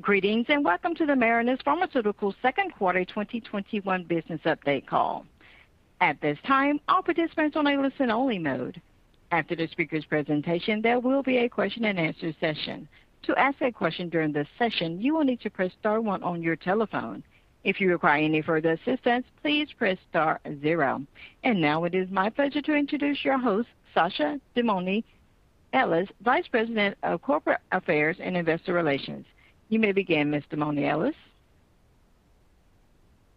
Greetings, and welcome to the Marinus Pharmaceuticals second quarter 2021 business update call. At this time, all participants are in listen-only mode. After the speaker’s presentation, there will be a question-and-answer session. To ask a question during this session, please press star one on your telephone keypad. If you require any further assistance, please press star zero. Now it is my pleasure to introduce your host, Sasha Damouni Ellis, Vice President of Corporate Affairs and Investor Relations. You may begin, Ms. Damouni Ellis.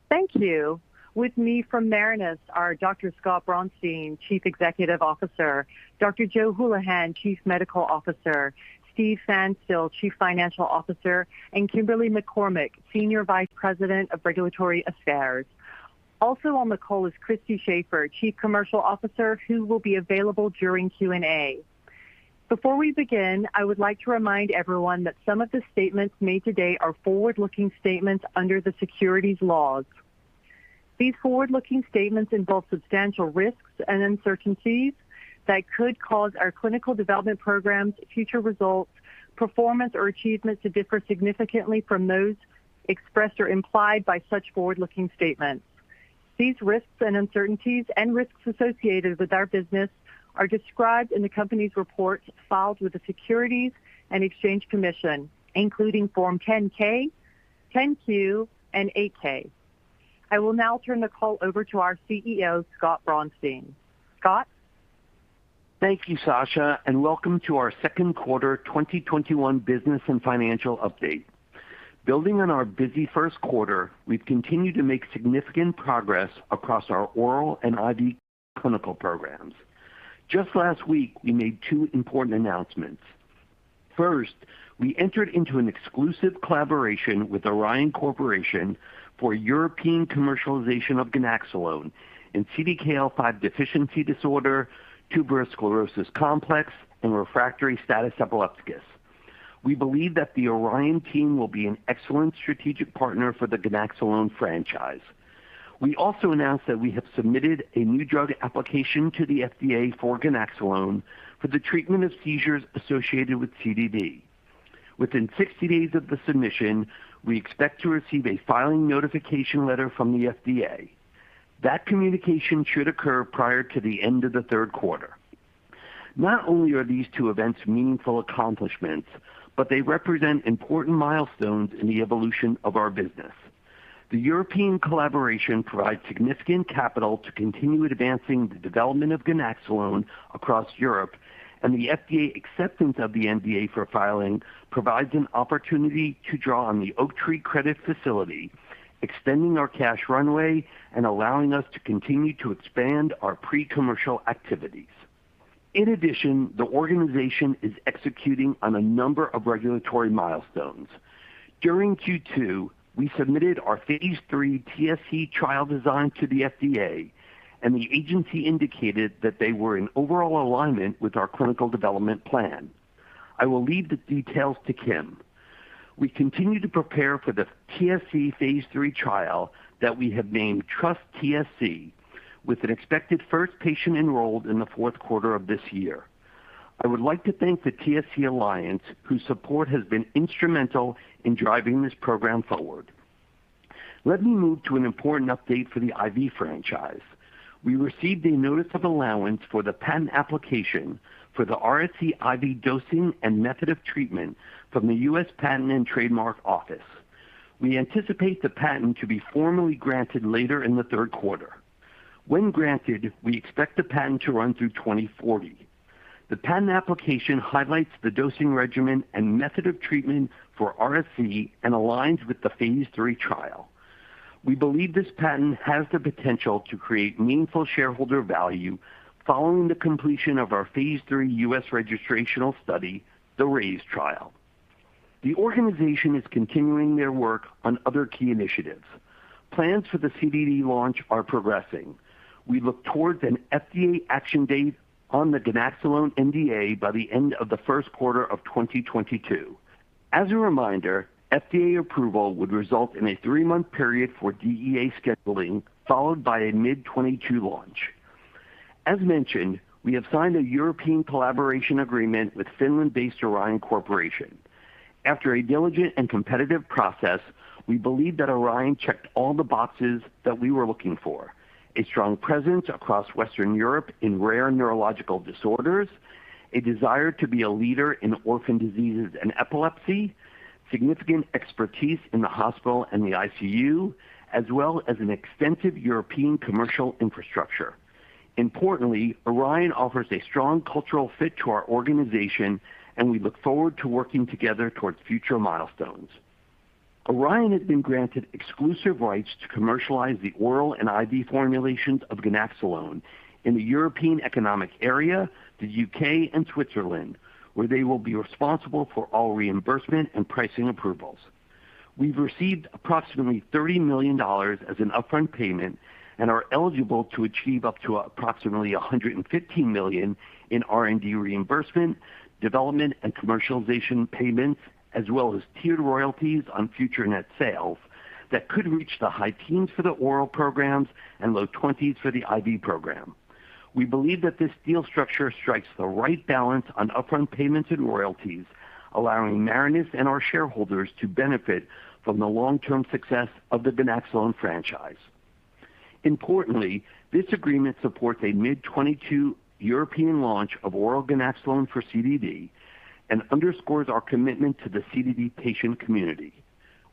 Thank you. With me from Marinus are Dr. Scott Braunstein, Chief Executive Officer, Dr. Joe Hulihan, Chief Medical Officer, Steven Pfanstiel, Chief Financial Officer, and Kimberly McCormick, Senior Vice President of Regulatory Affairs. Also on the call is Christy Shafer, Chief Commercial Officer, who will be available during Q&A. Before we begin, I would like to remind everyone that some of the statements made today are forward-looking statements under the securities laws. These forward-looking statements involve substantial risks and uncertainties that could cause our clinical development programs, future results, performance, or achievements to differ significantly from those expressed or implied by such forward-looking statements. These risks and uncertainties and risks associated with our business are described in the company's reports filed with the Securities and Exchange Commission, including Form 10-K, 10-Q, and 8-K. I will now turn the call over to our CEO, Scott Braunstein. Scott? Thank you, Sasha, and welcome to our second quarter 2021 business and financial update. Building on our busy first quarter, we've continued to make significant progress across our oral and IV clinical programs. Just last week, we made two important announcements. First, we entered into an exclusive collaboration with Orion Corporation for European commercialization of ganaxolone in CDKL5 deficiency disorder, tuberous sclerosis complex, and refractory status epilepticus. We believe that the Orion team will be an excellent strategic partner for the ganaxolone franchise. We also announced that we have submitted a new drug application to the FDA for ganaxolone for the treatment of seizures associated with CDD. Within 60 days of the submission, we expect to receive a filing notification letter from the FDA. That communication should occur prior to the end of the third quarter. Not only are these two events meaningful accomplishments, but they represent important milestones in the evolution of our business. The European collaboration provides significant capital to continue advancing the development of ganaxolone across Europe, and the FDA acceptance of the NDA for filing provides an opportunity to draw on the Oaktree credit facility, extending our cash runway and allowing us to continue to expand our pre-commercial activities. The organization is executing on a number of regulatory milestones. During Q2, we submitted our phase III TSC trial design to the FDA, and the agency indicated that they were in overall alignment with our clinical development plan. I will leave the details to Kim. We continue to prepare for the TSC phase III trial that we have named TrustTSC with an expected first patient enrolled in the fourth quarter of this year. I would like to thank the TSC Alliance, whose support has been instrumental in driving this program forward. Let me move to an important update for the IV franchise. We received a notice of allowance for the patent application for the RSE IV dosing and method of treatment from the U.S. Patent and Trademark Office. We anticipate the patent to be formally granted later in the third quarter. When granted, we expect the patent to run through 2040. The patent application highlights the dosing regimen and method of treatment for RSE and aligns with the phase III trial. We believe this patent has the potential to create meaningful shareholder value following the completion of our phase III U.S. registrational study, the RSE trial. The organization is continuing their work on other key initiatives. Plans for the CDD launch are progressing. We look towards an FDA action date on the ganaxolone NDA by the end of Q1 2022. As a reminder, FDA approval would result in a 3-month period for DEA scheduling, followed by a mid-2022 launch. As mentioned, we have signed a European collaboration agreement with Finland-based Orion Corporation. After a diligent and competitive process, we believe that Orion checked all the boxes that we were looking for. A strong presence across Western Europe in rare neurological disorders, a desire to be a leader in orphan diseases and epilepsy, significant expertise in the hospital and the ICU, as well as an extensive European commercial infrastructure. Importantly, Orion offers a strong cultural fit to our organization. We look forward to working together towards future milestones. Orion has been granted exclusive rights to commercialize the oral and IV formulations of ganaxolone in the European Economic Area, the U.K., and Switzerland, where they will be responsible for all reimbursement and pricing approvals. We've received approximately $30 million as an upfront payment and are eligible to achieve up to approximately $150 million in R&D reimbursement, development, and commercialization payments, as well as tiered royalties on future net sales that could reach the high teens for the oral programs and low 20s for the IV program. We believe that this deal structure strikes the right balance on upfront payments and royalties, allowing Marinus and our shareholders to benefit from the long-term success of the ganaxolone franchise. Importantly, this agreement supports a mid 2022 European launch of oral ganaxolone for CDD and underscores our commitment to the CDD patient community.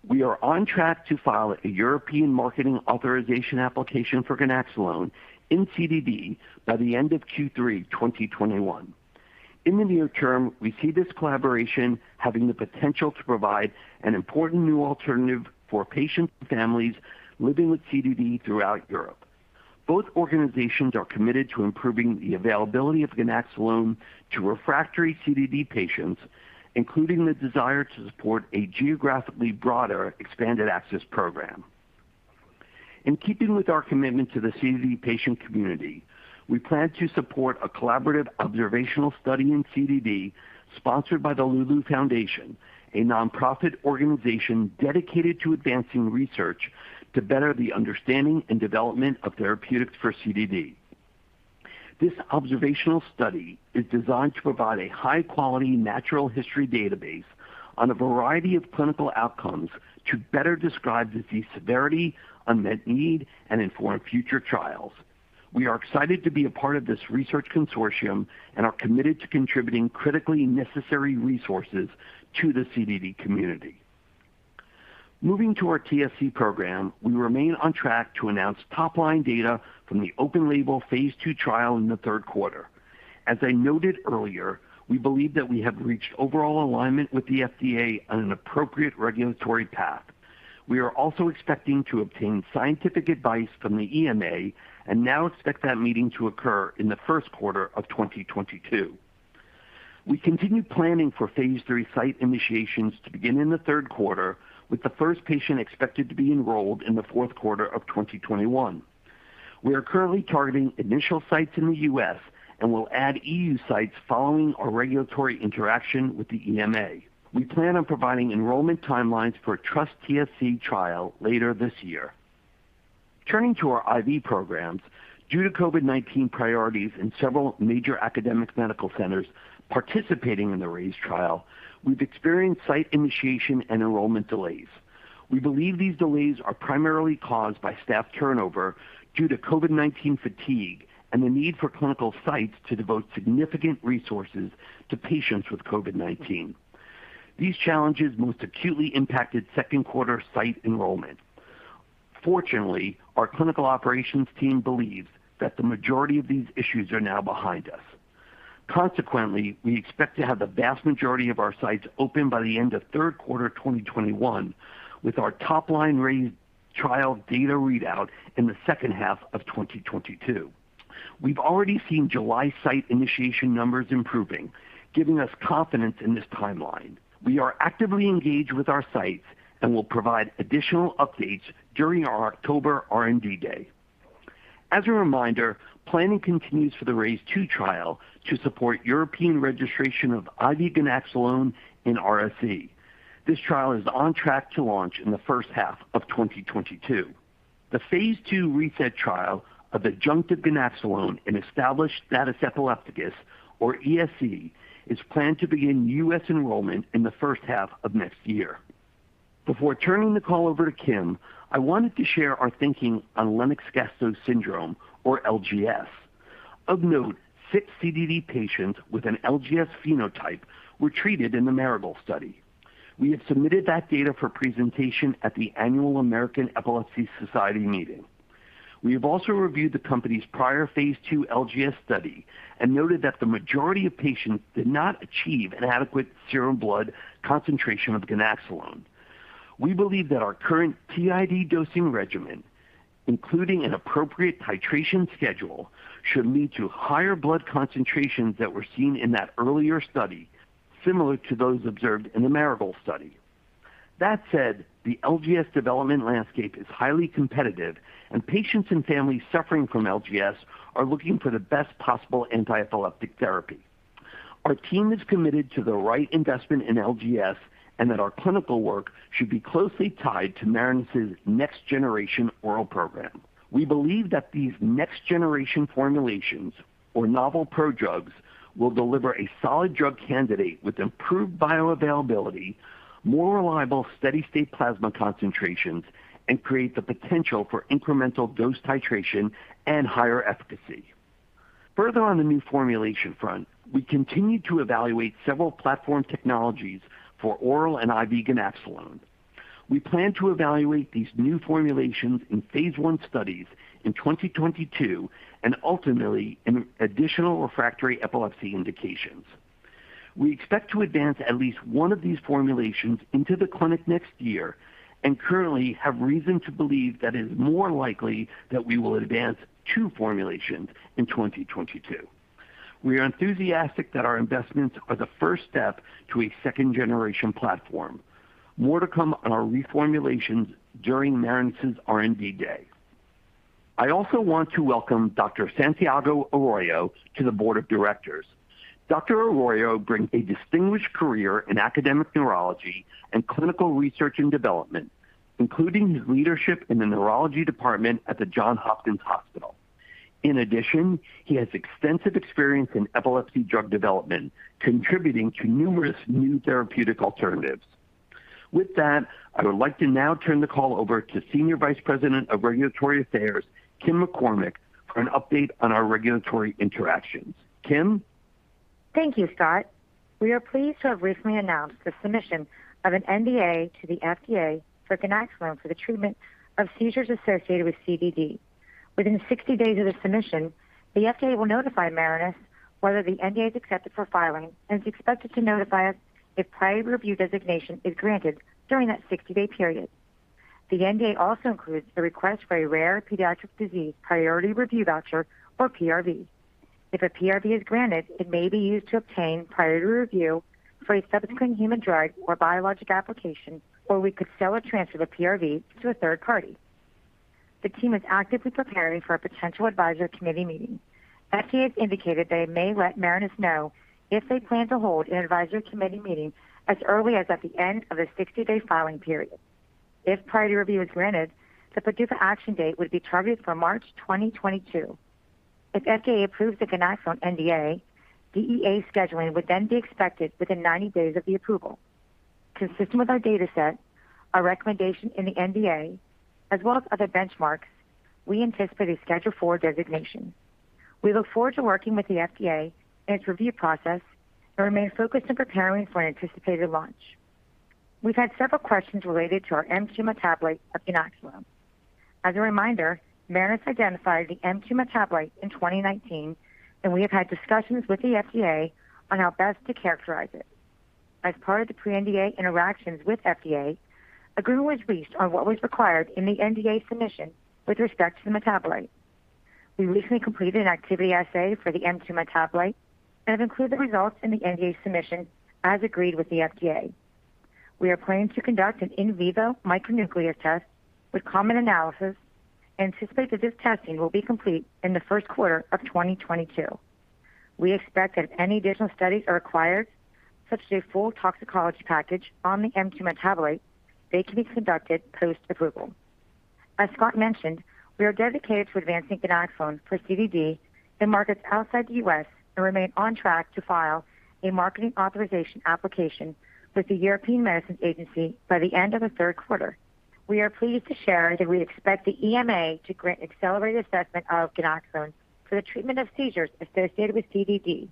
We are on track to file a European Marketing Authorization Application for ganaxolone in CDD by the end of Q3 2021. In the near term, we see this collaboration having the potential to provide an important new alternative for patients and families living with CDD throughout Europe. Both organizations are committed to improving the availability of ganaxolone to refractory CDD patients, including the desire to support a geographically broader expanded access program. In keeping with our commitment to the CDD patient community, we plan to support a collaborative observational study in CDD sponsored by the Loulou Foundation, a nonprofit organization dedicated to advancing research to better the understanding and development of therapeutics for CDD. This observational study is designed to provide a high-quality natural history database on a variety of clinical outcomes to better describe disease severity, unmet need, and inform future trials. We are excited to be a part of this research consortium and are committed to contributing critically necessary resources to the CDD community. Moving to our TSC program, we remain on track to announce top-line data from the open-label Phase II trial in the third quarter. As I noted earlier, we believe that we have reached overall alignment with the FDA on an appropriate regulatory path. We are also expecting to obtain scientific advice from the EMA and now expect that meeting to occur in the first quarter of 2022. We continue planning for phase III site initiations to begin in the third quarter, with the first patient expected to be enrolled in the fourth quarter of 2021. We are currently targeting initial sites in the U.S. and will add EU sites following our regulatory interaction with the EMA. We plan on providing enrollment timelines for a TrustTSC trial later this year. Turning to our IV programs, due to COVID-19 priorities in several major academic medical centers participating in the RSE trial, we've experienced site initiation and enrollment delays. We believe these delays are primarily caused by staff turnover due to COVID-19 fatigue and the need for clinical sites to devote significant resources to patients with COVID-19. These challenges most acutely impacted second quarter site enrollment. Our clinical operations team believes that the majority of these issues are now behind us. We expect to have the vast majority of our sites open by the end of third quarter 2021, with our top-line RSE trial data readout in the second half of 2022. We've already seen July site initiation numbers improving, giving us confidence in this timeline. We are actively engaged with our sites and will provide additional updates during our October R&D Day. As a reminder, planning continues for the RSE 2 trial to support European registration of IV ganaxolone in RSE. This trial is on track to launch in the first half of 2022. The phase II RESET trial of adjunctive ganaxolone in Established Status Epilepticus, or ESE, is planned to begin U.S. enrollment in the first half of next year. Before turning the call over to Kim, I wanted to share our thinking on Lennox-Gastaut syndrome, or LGS. Of note, 6 CDD patients with an LGS phenotype were treated in the Marigold study. We have submitted that data for presentation at the annual American Epilepsy Society meeting. We have also reviewed the company's prior phase II LGS study and noted that the majority of patients did not achieve an adequate serum blood concentration of ganaxolone. We believe that our current TID dosing regimen, including an appropriate titration schedule, should lead to higher blood concentrations that were seen in that earlier study, similar to those observed in the Marigold study. That said, the LGS development landscape is highly competitive, and patients and families suffering from LGS are looking for the best possible antiepileptic therapy. Our team is committed to the right investment in LGS and that our clinical work should be closely tied to Marinus' next-generation oral program. We believe that these next-generation formulations or novel prodrugs will deliver a solid drug candidate with improved bioavailability, more reliable steady-state plasma concentrations, and create the potential for incremental dose titration and higher efficacy. Further on the new formulation front, we continue to evaluate several platform technologies for oral and IV ganaxolone. We plan to evaluate these new formulations in phase I studies in 2022, and ultimately in additional refractory epilepsy indications. We expect to advance at least 1 of these formulations into the clinic next year and currently have reason to believe that it is more likely that we will advance 2 formulations in 2022. We are enthusiastic that our investments are the first step to a second-generation platform. More to come on our reformulations during Marinus' R&D Day. I also want to welcome Dr. Santiago Arroyo to the Board of Directors. Dr. Arroyo brings a distinguished career in academic neurology and clinical research and development, including his leadership in the neurology department at the Johns Hopkins Hospital. In addition, he has extensive experience in epilepsy drug development, contributing to numerous new therapeutic alternatives. With that, I would like to now turn the call over to Senior Vice President of Regulatory Affairs, Kim McCormick, for an update on our regulatory interactions. Kim? Thank you, Scott. We are pleased to have recently announced the submission of an NDA to the FDA for ganaxolone for the treatment of seizures associated with CDD. Within 60 days of the submission, the FDA will notify Marinus whether the NDA is accepted for filing and is expected to notify us if priority review designation is granted during that 60-day period. The NDA also includes the request for a rare pediatric disease priority review voucher or PRV. If a PRV is granted, it may be used to obtain priority review for a subsequent human drug or biologic application, or we could sell or transfer the PRV to a third party. The team is actively preparing for a potential advisory committee meeting. FDA has indicated they may let Marinus know if they plan to hold an advisory committee meeting as early as at the end of the 60-day filing period. Priority review is granted, the PDUFA action date would be targeted for March 2022. FDA approves the ganaxolone NDA, DEA scheduling would then be expected within 90 days of the approval. Consistent with our data set, our recommendation in the NDA, as well as other benchmarks, we anticipate a Schedule IV designation. We look forward to working with the FDA and its review process and remain focused on preparing for an anticipated launch. We've had several questions related to our M2 metabolite of ganaxolone. A reminder, Marinus identified the M2 metabolite in 2019, and we have had discussions with the FDA on how best to characterize it. Part of the pre-NDA interactions with FDA, agreement was reached on what was required in the NDA submission with respect to the metabolite. We recently completed an activity assay for the M2 metabolite and have included the results in the NDA submission as agreed with the FDA. We are planning to conduct an in vivo micronucleus test with comet analysis and anticipate that this testing will be complete in the first quarter of 2022. We expect that if any additional studies are required, such as a full toxicology package on the M2 metabolite, they can be conducted post-approval. As Scott mentioned, we are dedicated to advancing ganaxolone for CDD in markets outside the U.S. and remain on track to file a marketing authorization application with the European Medicines Agency by the end of the third quarter. We are pleased to share that we expect the EMA to grant accelerated assessment of ganaxolone for the treatment of seizures associated with CDD.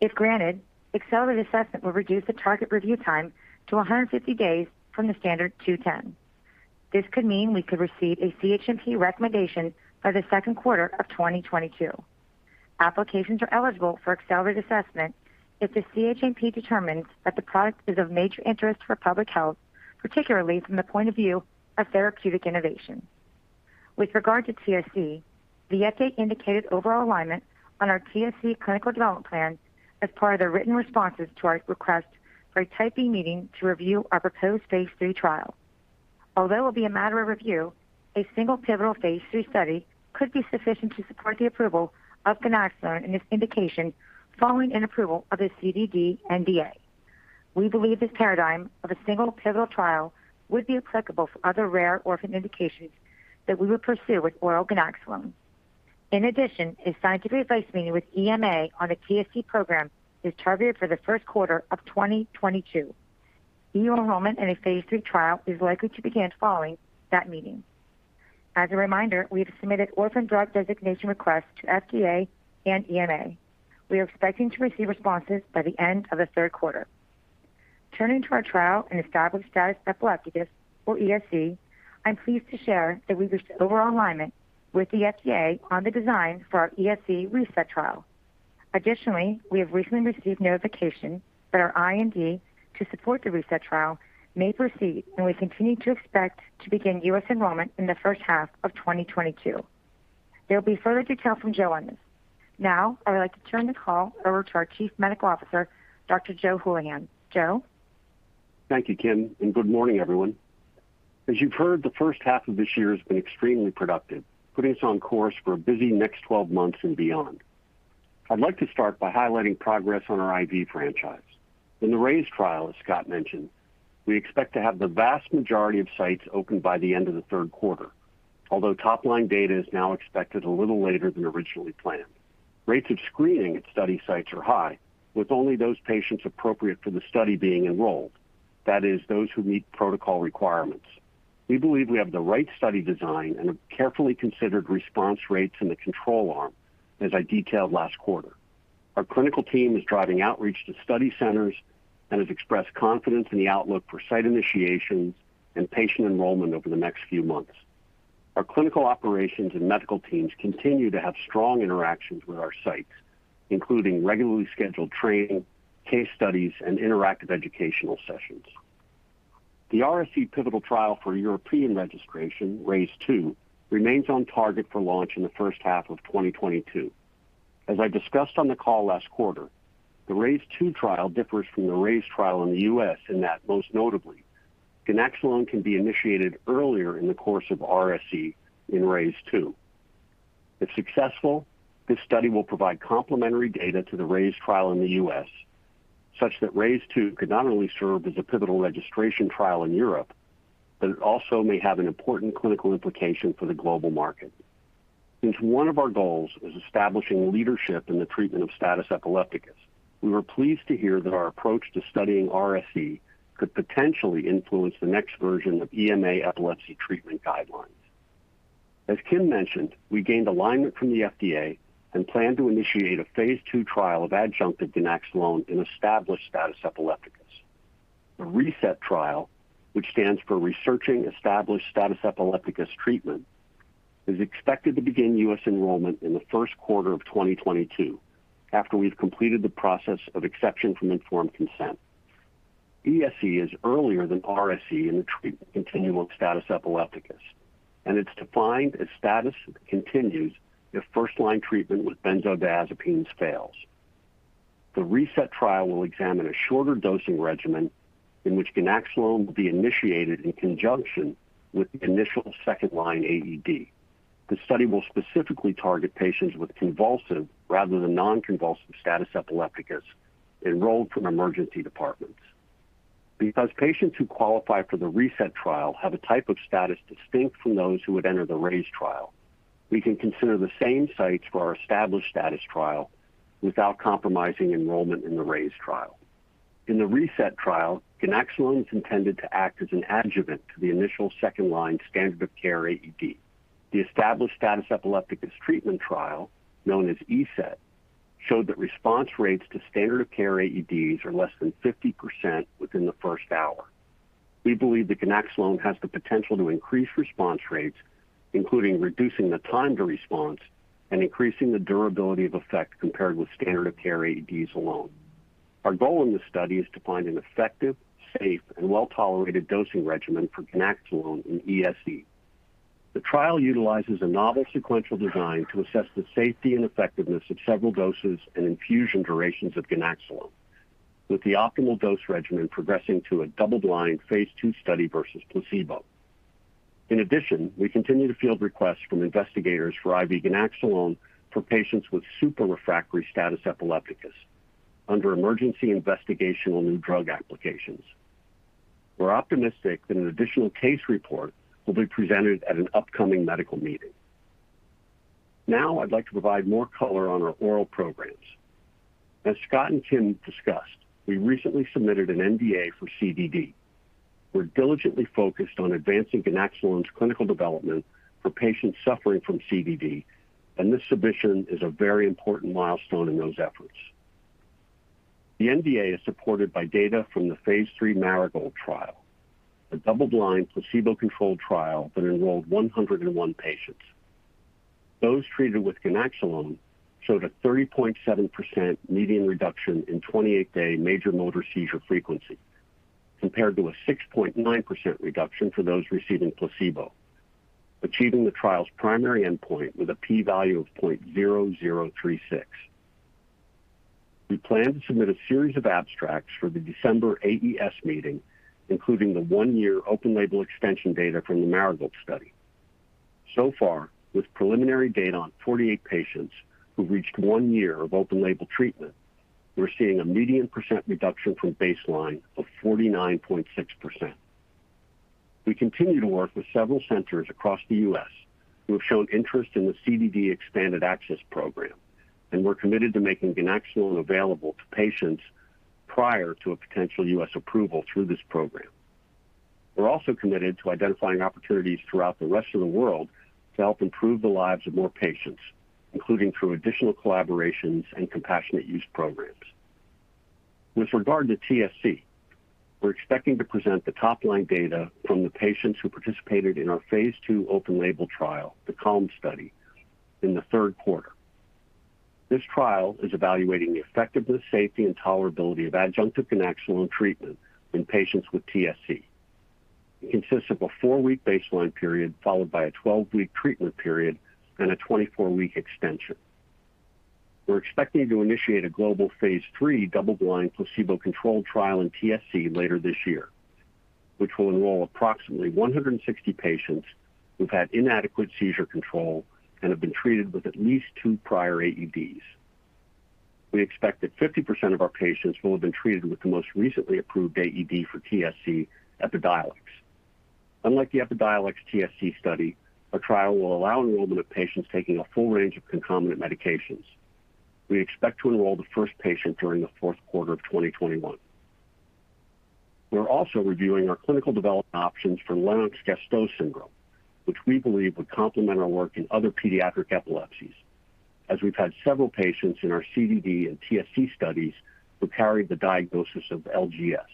If granted, accelerated assessment will reduce the target review time to 150 days from the standard 210. This could mean we could receive a CHMP recommendation by the second quarter of 2022. Applications are eligible for accelerated assessment if the CHMP determines that the product is of major interest for public health, particularly from the point of view of therapeutic innovation. With regard to TSC, the FDA indicated overall alignment on our TSC clinical development plan as part of their written responses to our request for a Type B meeting to review our proposed phase III trial. Although it will be a matter of review, a single pivotal phase III study could be sufficient to support the approval of ganaxolone and its indication following an approval of a CDD NDA. We believe this paradigm of a single pivotal trial would be applicable for other rare orphan indications that we would pursue with oral ganaxolone. In addition, a scientific advice meeting with EMA on the TSC program is targeted for the first quarter of 2022. Enrollment in a phase III trial is likely to begin following that meeting. As a reminder, we have submitted orphan drug designation requests to FDA and EMA. We are expecting to receive responses by the end of the third quarter. Turning to our trial in Established Status Epilepticus or ESE, I'm pleased to share that we reached overall alignment with the FDA on the design for our ESE RESET trial. Additionally, we have recently received notification that our IND to support the RESET trial may proceed. We continue to expect to begin U.S. enrollment in the first half of 2022. There will be further detail from Joe on this. Now, I would like to turn the call over to our Chief Medical Officer, Dr. Joe Hulihan. Joe? Thank you, Kim. Good morning, everyone. As you've heard, the first half of this year has been extremely productive, putting us on course for a busy next 12 months and beyond. I'd like to start by highlighting progress on our IV franchise. In the RSE trial, as Scott mentioned, we expect to have the vast majority of sites open by the end of the 3rd quarter. Top-line data is now expected a little later than originally planned. Rates of screening at study sites are high, with only those patients appropriate for the study being enrolled. That is, those who meet protocol requirements. We believe we have the right study design and have carefully considered response rates in the control arm, as I detailed last quarter. Our clinical team is driving outreach to study centers and has expressed confidence in the outlook for site initiations and patient enrollment over the next few months. Our clinical operations and medical teams continue to have strong interactions with our sites, including regularly scheduled training, case studies, and interactive educational sessions. The RSE pivotal trial for European registration, RSE 2, remains on target for launch in the first half of 2022. As I discussed on the call last quarter, the RSE 2 trial differs from the RSE trial in the U.S. in that most notably, ganaxolone can be initiated earlier in the course of RSE in RSE 2. If successful, this study will provide complementary data to the RSE trial in the U.S. such that RSE 2 could not only serve as a pivotal registration trial in Europe, but it also may have an important clinical implication for the global market. Since one of our goals is establishing leadership in the treatment of status epilepticus, we were pleased to hear that our approach to studying RSE could potentially influence the next version of EMA epilepsy treatment guidelines. As Kim mentioned, we gained alignment from the FDA and plan to initiate a phase II trial of adjunctive ganaxolone in established status epilepticus. The RESET trial, which stands for Researching Established Status Epilepticus Treatment, is expected to begin U.S. enrollment in the first quarter of 2022, after we've completed the process of exception from informed consent. ESE is earlier than RSE in the treatment continuum of status epilepticus, and it's defined as status that continues if first-line treatment with benzodiazepines fails. The RESET trial will examine a shorter dosing regimen in which ganaxolone will be initiated in conjunction with the initial second-line AED. The study will specifically target patients with convulsive rather than non-convulsive status epilepticus enrolled from emergency departments. Because patients who qualify for the RESET trial have a type of status distinct from those who would enter the RSE trial, we can consider the same sites for our established status trial without compromising enrollment in the RSE trial. In the RESET trial, ganaxolone is intended to act as an adjuvant to the initial second-line standard of care AED. The Established Status Epilepticus Treatment Trial, known as ESETT, showed that response rates to standard of care AEDs are less than 50% within the first hour. We believe that ganaxolone has the potential to increase response rates, including reducing the time to response and increasing the durability of effect compared with standard of care AEDs alone. Our goal in this study is to find an effective, safe and well-tolerated dosing regimen for ganaxolone in ESE. The trial utilizes a novel sequential design to assess the safety and effectiveness of several doses and infusion durations of ganaxolone, with the optimal dose regimen progressing to a double-blind phase II study versus placebo. We continue to field requests from investigators for IV ganaxolone for patients with super refractory status epilepticus under emergency investigational new drug applications. We're optimistic that an additional case report will be presented at an upcoming medical meeting. I'd like to provide more color on our oral programs. As Scott and Kim discussed, we recently submitted an NDA for CDD. We're diligently focused on advancing ganaxolone's clinical development for patients suffering from CDD, and this submission is a very important milestone in those efforts. The NDA is supported by data from the phase III Marigold trial, a double-blind, placebo-controlled trial that enrolled 101 patients. Those treated with ganaxolone showed a 30.7% median reduction in 28-day major motor seizure frequency, compared to a 6.9% reduction for those receiving placebo, achieving the trial's primary endpoint with a P value of 0.0036. We plan to submit a series of abstracts for the December AES meeting, including the 1-year open-label extension data from the Marigold study. Far, with preliminary data on 48 patients who've reached 1 year of open-label treatment, we're seeing a median percent reduction from baseline of 49.6%. We continue to work with several centers across the U.S. who have shown interest in the CDD expanded access program, we're committed to making ganaxolone available to patients prior to a potential U.S. approval through this program. We're also committed to identifying opportunities throughout the rest of the world to help improve the lives of more patients, including through additional collaborations and compassionate use programs. With regard to TSC, we're expecting to present the top-line data from the patients who participated in our phase II open-label trial, the CALM study, in the third quarter. This trial is evaluating the effectiveness, safety, and tolerability of adjunctive ganaxolone treatment in patients with TSC. It consists of a 4-week baseline period, followed by a 12-week treatment period and a 24-week extension. We're expecting to initiate a global phase III double-blind placebo-controlled trial in TSC later this year, which will enroll approximately 160 patients who've had inadequate seizure control and have been treated with at least 2 prior AEDs. We expect that 50% of our patients will have been treated with the most recently approved AED for TSC, EPIDIOLEX. Unlike the EPIDIOLEX TSC study, our trial will allow enrollment of patients taking a full range of concomitant medications. We expect to enroll the 1st patient during the 4th quarter of 2021. We're also reviewing our clinical development options for Lennox-Gastaut syndrome, which we believe would complement our work in other pediatric epilepsies, as we've had several patients in our CDD and TSC studies who carried the diagnosis of LGS.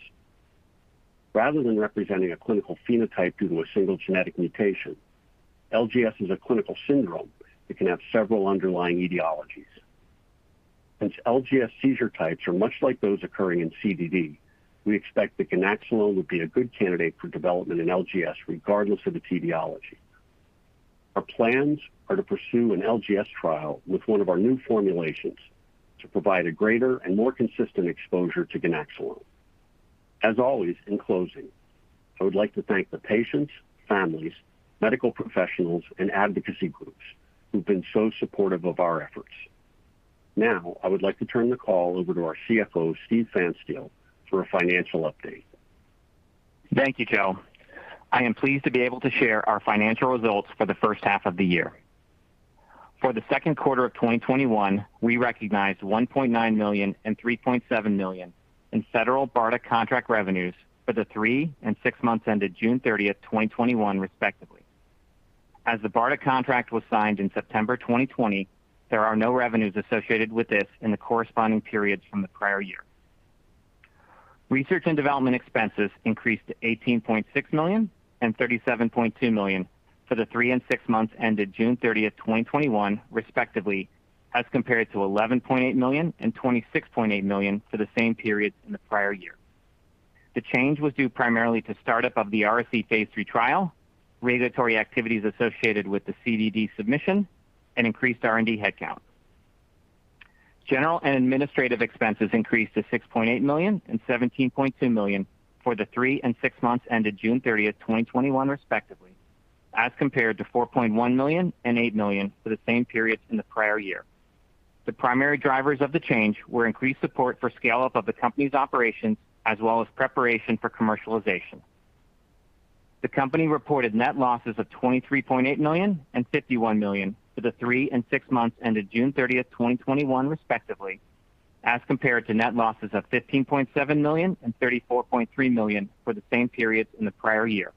Rather than representing a clinical phenotype due to a single genetic mutation, LGS is a clinical syndrome that can have several underlying etiologies. Since LGS seizure types are much like those occurring in CDD, we expect that ganaxolone would be a good candidate for development in LGS regardless of the etiology. Our plans are to pursue an LGS trial with one of our new formulations to provide a greater and more consistent exposure to ganaxolone. As always, in closing, I would like to thank the patients, families, medical professionals, and advocacy groups who've been so supportive of our efforts. I would like to turn the call over to our CFO, Steven Pfanstiel, for a financial update. Thank you, Joe. I am pleased to be able to share our financial results for the first half of the year. For the second quarter of 2021, we recognized $1.9 million and $3.7 million in federal BARDA contract revenues for the 3 and 6 months ended June 30th, 2021, respectively. As the BARDA contract was signed in September 2020, there are no revenues associated with this in the corresponding periods from the prior year. Research and development expenses increased to $18.6 million and $37.2 million for the 3 and 6 months ended June 30th, 2021, respectively, as compared to $11.8 million and $26.8 million for the same periods in the prior year. The change was due primarily to startup of the RSE phase III trial, regulatory activities associated with the CDD submission, and increased R&D headcount. General and administrative expenses increased to $6.8 million and $17.2 million for the 3 and 6 months ended June 30th, 2021, respectively, as compared to $4.1 million and $8 million for the same periods in the prior year. The primary drivers of the change were increased support for scale-up of the company's operations, as well as preparation for commercialization. The company reported net losses of $23.8 million and $51 million for the 3 and 6 months ended June 30th, 2021, respectively, as compared to net losses of $15.7 million and $34.3 million for the same periods in the prior year.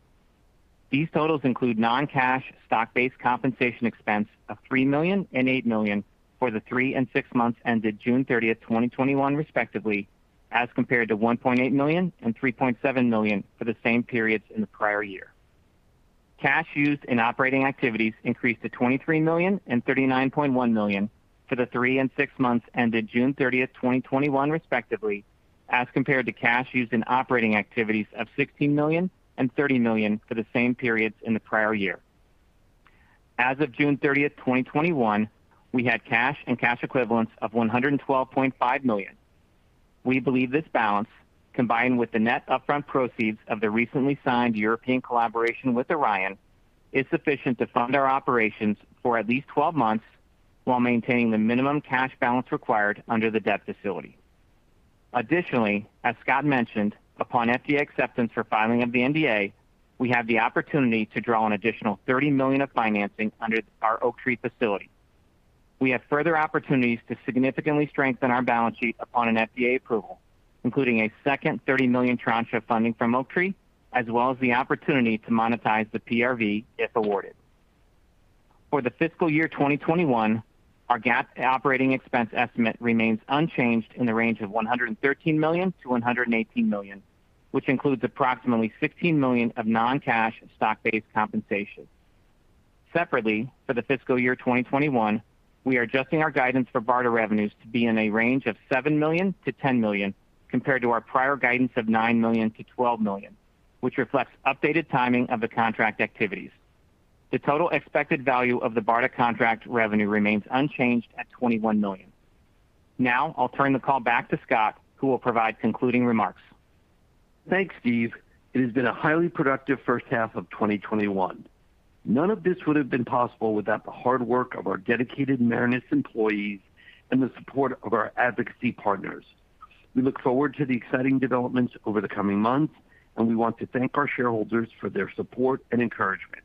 These totals include non-cash stock-based compensation expense of $3 million and $8 million for the 3 and 6 months ended June 30th, 2021, respectively, as compared to $1.8 million and $3.7 million for the same periods in the prior year. Cash used in operating activities increased to $23 million and $39.1 million for the three and six months ended June 30th, 2021, respectively, as compared to cash used in operating activities of $16 million and $30 million for the same periods in the prior year. As of June 30th, 2021, we had cash and cash equivalents of $112.5 million. We believe this balance, combined with the net upfront proceeds of the recently signed European collaboration with Orion, is sufficient to fund our operations for at least 12 months while maintaining the minimum cash balance required under the debt facility. Additionally, as Scott mentioned, upon FDA acceptance for filing of the NDA, we have the opportunity to draw an additional $30 million of financing under our Oaktree facility. We have further opportunities to significantly strengthen our balance sheet upon an FDA approval, including a second $30 million tranche of funding from Oaktree, as well as the opportunity to monetize the PRV if awarded. For the fiscal year 2021, our GAAP operating expense estimate remains unchanged in the range of $113 million-$118 million, which includes approximately $16 million of non-cash stock-based compensation. Separately, for the fiscal year 2021, we are adjusting our guidance for BARDA revenues to be in a range of $7 million-$10 million compared to our prior guidance of $9 million-$12 million, which reflects updated timing of the contract activities. The total expected value of the BARDA contract revenue remains unchanged at $21 million. Now, I'll turn the call back to Scott, who will provide concluding remarks. Thanks, Steve. It has been a highly productive first half of 2021. None of this would have been possible without the hard work of our dedicated Marinus employees and the support of our advocacy partners. We look forward to the exciting developments over the coming months, and we want to thank our shareholders for their support and encouragement.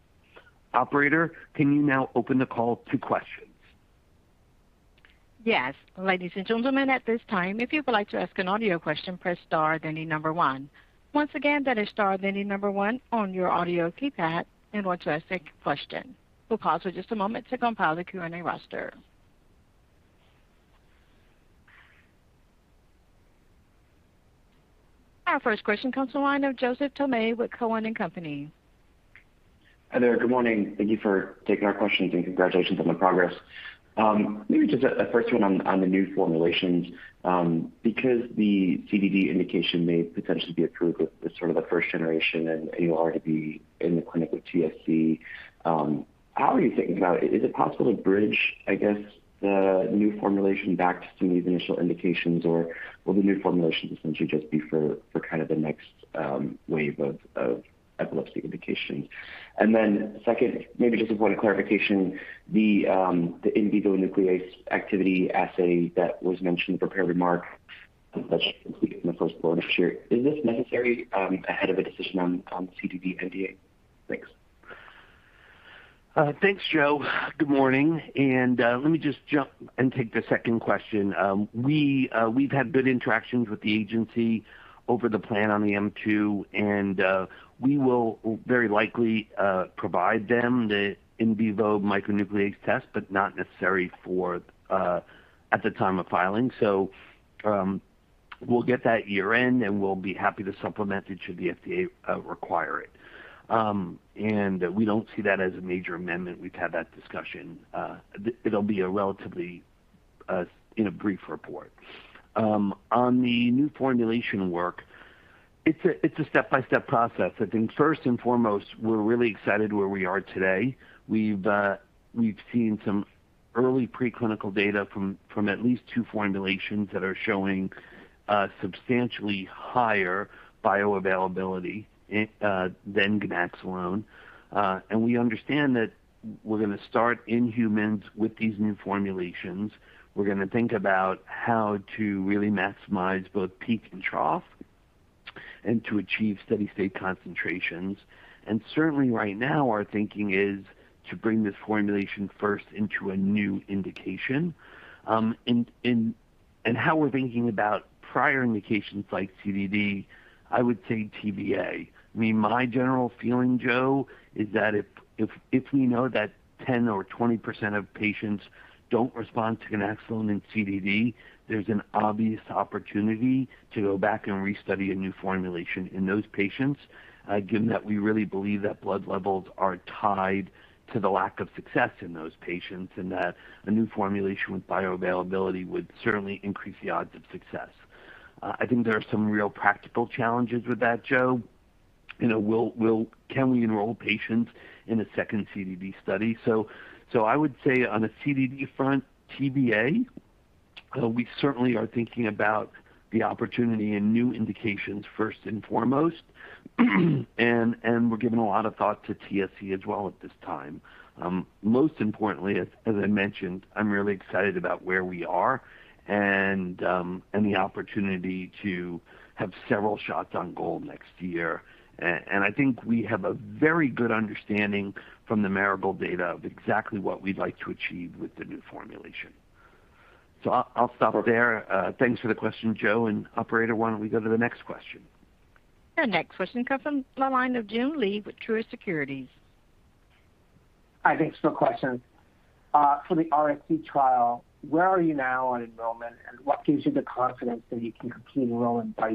Operator, can you now open the call to questions? Yes. Ladies and gentlemen, at this time, if you would like to ask an audio question, press star, then the number one. Once again, that is star, then the number one on your audio keypad in order to ask a question. We will pause for just a moment to compile the Q&A roster. Our first question comes from the line of Joseph Thome with Cowen & Company. Hi there. Good morning. Thank you for taking our questions, and congratulations on the progress. Maybe just the first one on the new formulations. Because the CDD indication may potentially be approved with sort of the first generation, and you already be in the clinic with TSC, how are you thinking about it? Is it possible to bridge, I guess, the new formulation back to some of these initial indications, or will the new formulation essentially just be for kind of the next wave of epilepsy indications? Second, maybe just for point of clarification, the in vivo nuclease activity assay that was mentioned in the prepared remarks that should complete in the first quarter next year, is this necessary ahead of a decision on CDD NDA? Thanks. Thanks, Joe. Good morning. Let me just jump and take the second question. We've had good interactions with the agency over the plan on the M2. We will very likely provide them the in vivo micronuclease test, not necessary at the time of filing. We'll get that year-end. We'll be happy to supplement it should the FDA require it. We don't see that as a major amendment. We've had that discussion. It'll be a relatively brief report. On the new formulation work, it's a step-by-step process. I think first and foremost, we're really excited where we are today. We've seen some Early preclinical data from at least 2 formulations that are showing substantially higher bioavailability than ganaxolone. We understand that we're going to start in humans with these new formulations. We're going to think about how to really maximize both peak and trough and to achieve steady state concentrations. Certainly right now, our thinking is to bring this formulation first into a new indication. How we're thinking about prior indications like CDD, I would say TBA. My general feeling, Joe, is that if we know that 10% or 20% of patients don't respond to ganaxolone in CDD, there's an obvious opportunity to go back and restudy a new formulation in those patients, given that we really believe that blood levels are tied to the lack of success in those patients, and that a new formulation with bioavailability would certainly increase the odds of success. I think there are some real practical challenges with that, Joe. Can we enroll patients in a second CDD study? I would say on a CDD front, TBA. We certainly are thinking about the opportunity and new indications first and foremost, and we're giving a lot of thought to TSC as well at this time. Most importantly, as I mentioned, I'm really excited about where we are and the opportunity to have several shots on goal next year. I think we have a very good understanding from the Marigold data of exactly what we'd like to achieve with the new formulation. I'll stop there. Thanks for the question, Joe. Operator, why don't we go to the next question? The next question comes from the line of Joon Lee with Truist Securities. Hi, thanks for the question. For the RSE trial, where are you now on enrollment, and what gives you the confidence that you can complete enrollment by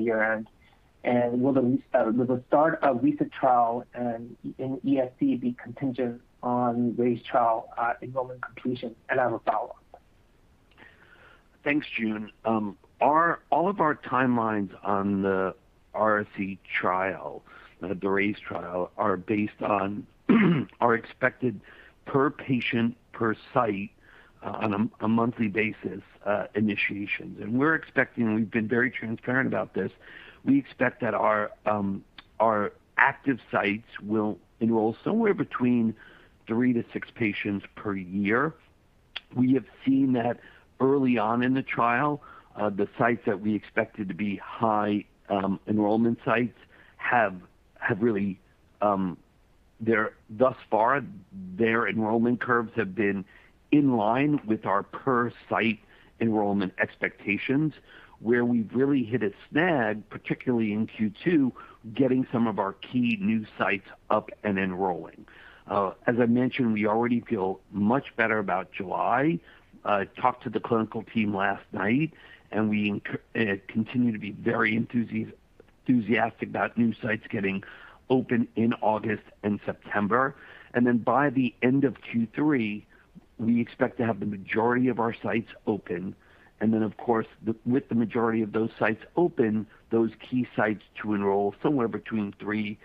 year-end? Will the start of RESET trial in ESE be contingent on RSE trial enrollment completion? I have a follow-up. Thanks, Joon. All of our timelines on the RSE trial, the RSE trial, are based on our expected per patient per site on a monthly basis initiations. We've been very transparent about this. We expect that our active sites will enroll somewhere between three to six patients per year. We have seen that early on in the trial, the sites that we expected to be high enrollment sites have thus far, their enrollment curves have been in line with our per site enrollment expectations, where we've really hit a snag, particularly in Q2, getting some of our key new sites up and enrolling. As I mentioned, we already feel much better about July. I talked to the clinical team last night, and we continue to be very enthusiastic about new sites getting open in August and September. By the end of Q3, we expect to have the majority of our sites open. Of course, with the majority of those sites open, those key sites to enroll somewhere between three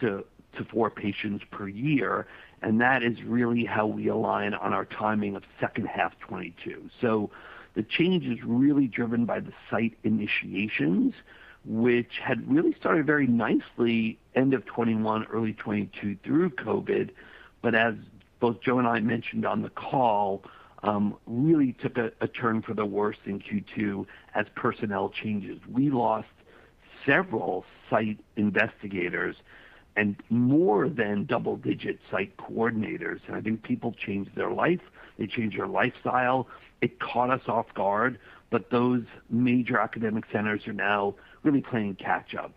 to four patients per year. That is really how we align on our timing of second half 2022. The change is really driven by the site initiations, which had really started very nicely end of 2021, early 2022 through COVID, but as both Joe and I mentioned on the call, really took a turn for the worse in Q2 as personnel changes. We lost several site investigators and more than double-digit site coordinators. I think people changed their life, they changed their lifestyle. It caught us off guard, those major academic centers are now really playing catch up.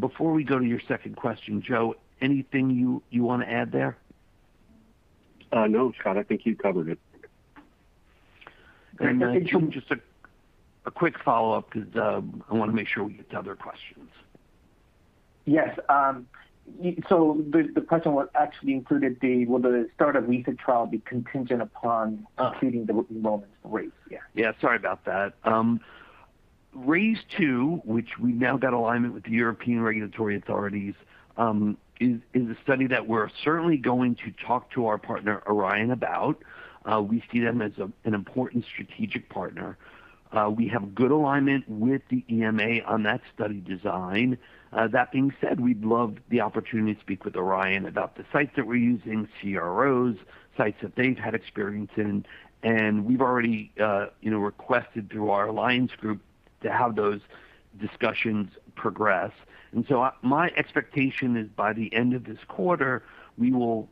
Before we go to your second question, Joe, anything you want to add there? No, Scott, I think you covered it. Joon, just a quick follow-up because I want to make sure we get to other questions. Yes. The question was actually included the, will the start of LEAP trial be contingent upon completing the enrollment for RSE? Yeah. Yeah, sorry about that. RSE 2, which we now got alignment with the European regulatory authorities, is a study that we're certainly going to talk to our partner, Orion, about. We see them as an important strategic partner. We have good alignment with the EMA on that study design. That being said, we'd love the opportunity to speak with Orion about the sites that we're using, CROs, sites that they've had experience in, and we've already requested through our alliance group to have those discussions progress. My expectation is by the end of this quarter, we will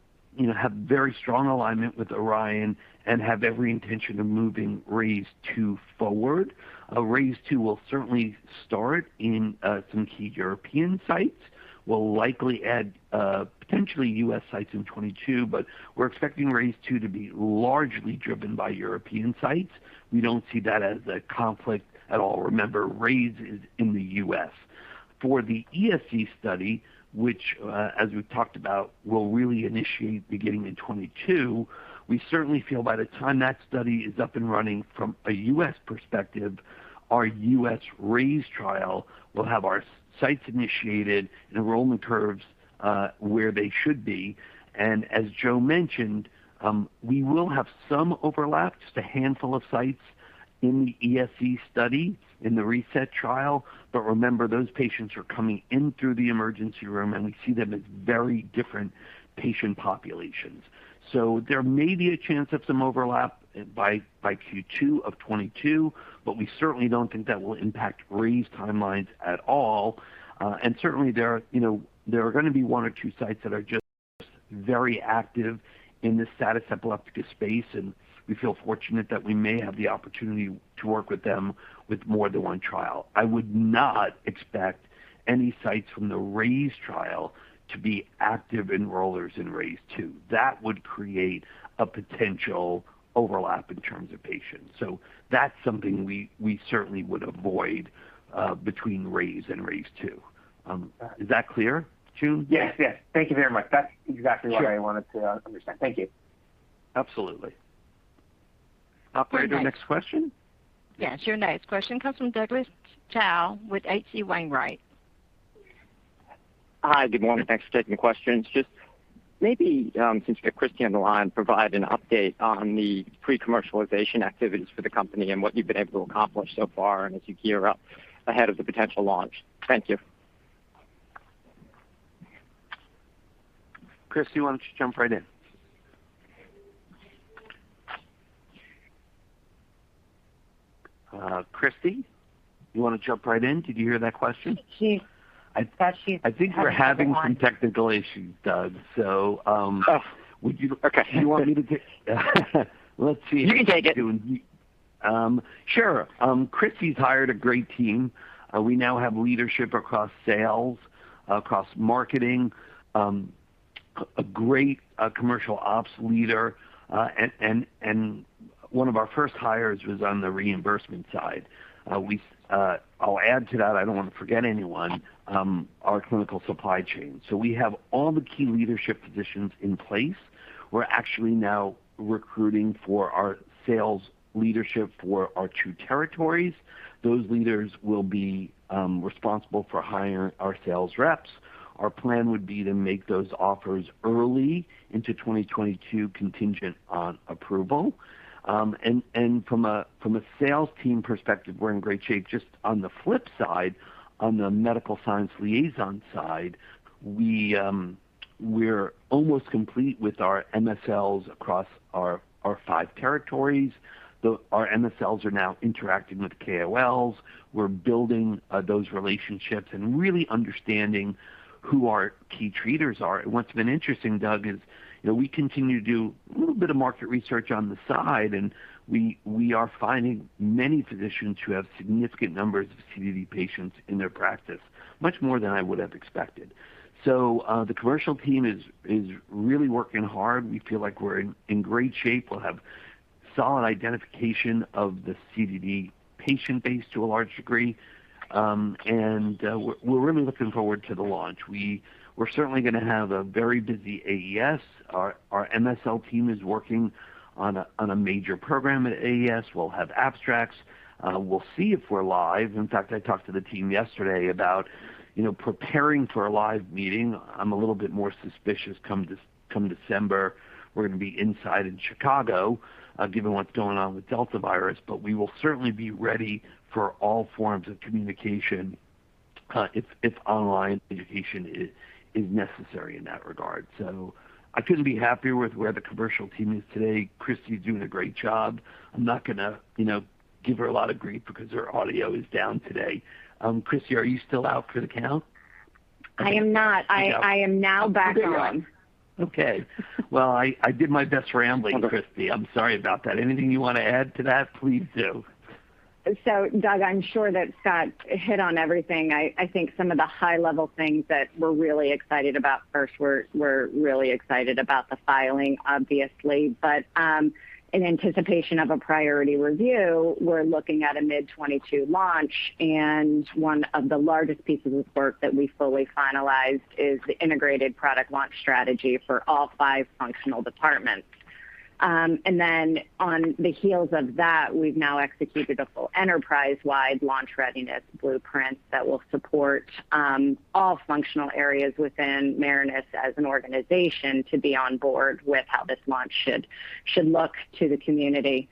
have very strong alignment with Orion and have every intention of moving RSE 2 forward. RSE 2 will certainly start in some key European sites. We'll likely add potentially U.S. sites in 2022, but we're expecting RSE 2 to be largely driven by European sites. We don't see that as a conflict at all. Remember, RSE is in the U.S. For the ESE study, which, as we've talked about, will really initiate beginning in 2022, we certainly feel by the time that study is up and running from a U.S. perspective, our U.S. RSE trial will have our sites initiated and enrollment curves where they should be. As Joe mentioned, we will have some overlap, just a handful of sites in the ESE study in the RESET trial, but remember, those patients are coming in through the emergency room, and we see them as very different patient populations. There may be a chance of some overlap by Q2 of 2022, but we certainly don't think that will impact RSE timelines at all. Certainly, there are going to be one or two sites that are just very active in the status epilepticus space, and we feel fortunate that we may have the opportunity to work with them with more than one trial. I would not expect any sites from the RSE trial to be active enrollers in RSE 2. That would create a potential overlap in terms of patients. That's something we certainly would avoid between RSE and RSE 2. Is that clear, Joon? Yes. Thank you very much. That's exactly what I wanted to understand. Thank you. Absolutely. Operator, next question? Yes, your next question comes from Douglas Tsao with H.C. Wainwright & Co. Hi, good morning. Thanks for taking the questions. Just maybe, since you've got Christy on the line, provide an update on the pre-commercialization activities for the company and what you've been able to accomplish so far and as you gear up ahead of the potential launch. Thank you. Christy, why don't you jump right in? Christy, you want to jump right in? Did you hear that question? She's- I think we're having some technical issues, Doug. Okay. Do you want me to take? Let's see. You can take it. Sure. Christy's hired a great team. We now have leadership across sales, across marketing, a great commercial ops leader, and one of our first hires was on the reimbursement side. I'll add to that, I don't want to forget anyone, our clinical supply chain. We have all the key leadership positions in place. We're actually now recruiting for our sales leadership for our 2 territories. Those leaders will be responsible for hiring our sales reps. Our plan would be to make those offers early into 2022, contingent on approval. From a sales team perspective, we're in great shape. Just on the flip side, on the medical science liaison side, we're almost complete with our MSLs across our 5 territories. Our MSLs are now interacting with KOLs. We're building those relationships and really understanding who our key treaters are. What's been interesting, Doug, is we continue to do a little bit of market research on the side, and we are finding many physicians who have significant numbers of CDD patients in their practice, much more than I would have expected. The commercial team is really working hard. We feel like we're in great shape. We'll have solid identification of the CDD patient base to a large degree. We're really looking forward to the launch. We're certainly going to have a very busy AES. Our MSL team is working on a major program at AES. We'll have abstracts. We'll see if we're live. In fact, I talked to the team yesterday about preparing for a live meeting. I'm a little bit more suspicious come December. We're going to be inside in Chicago, given what's going on with Delta virus, but we will certainly be ready for all forms of communication, if online education is necessary in that regard. I couldn't be happier with where the commercial team is today. Christy's doing a great job. I'm not going to give her a lot of grief because her audio is down today. Christy, are you still out for the count? I am not. There you go. I am now back on. There you are. Okay. Well, I did my best rambling, Christy. I'm sorry about that. Anything you want to add to that, please do. Doug, I'm sure that Scott hit on everything. I think some of the high-level things that we're really excited about first, we're really excited about the filing, obviously. But in anticipation of a priority review, we're looking at a mid 2022 launch, and one of the largest pieces of work that we fully finalized is the integrated product launch strategy for all 5 functional departments. Then on the heels of that, we've now executed a full enterprise-wide launch readiness blueprint that will support all functional areas within Marinus as an organization to be on board with how this launch should look to the community.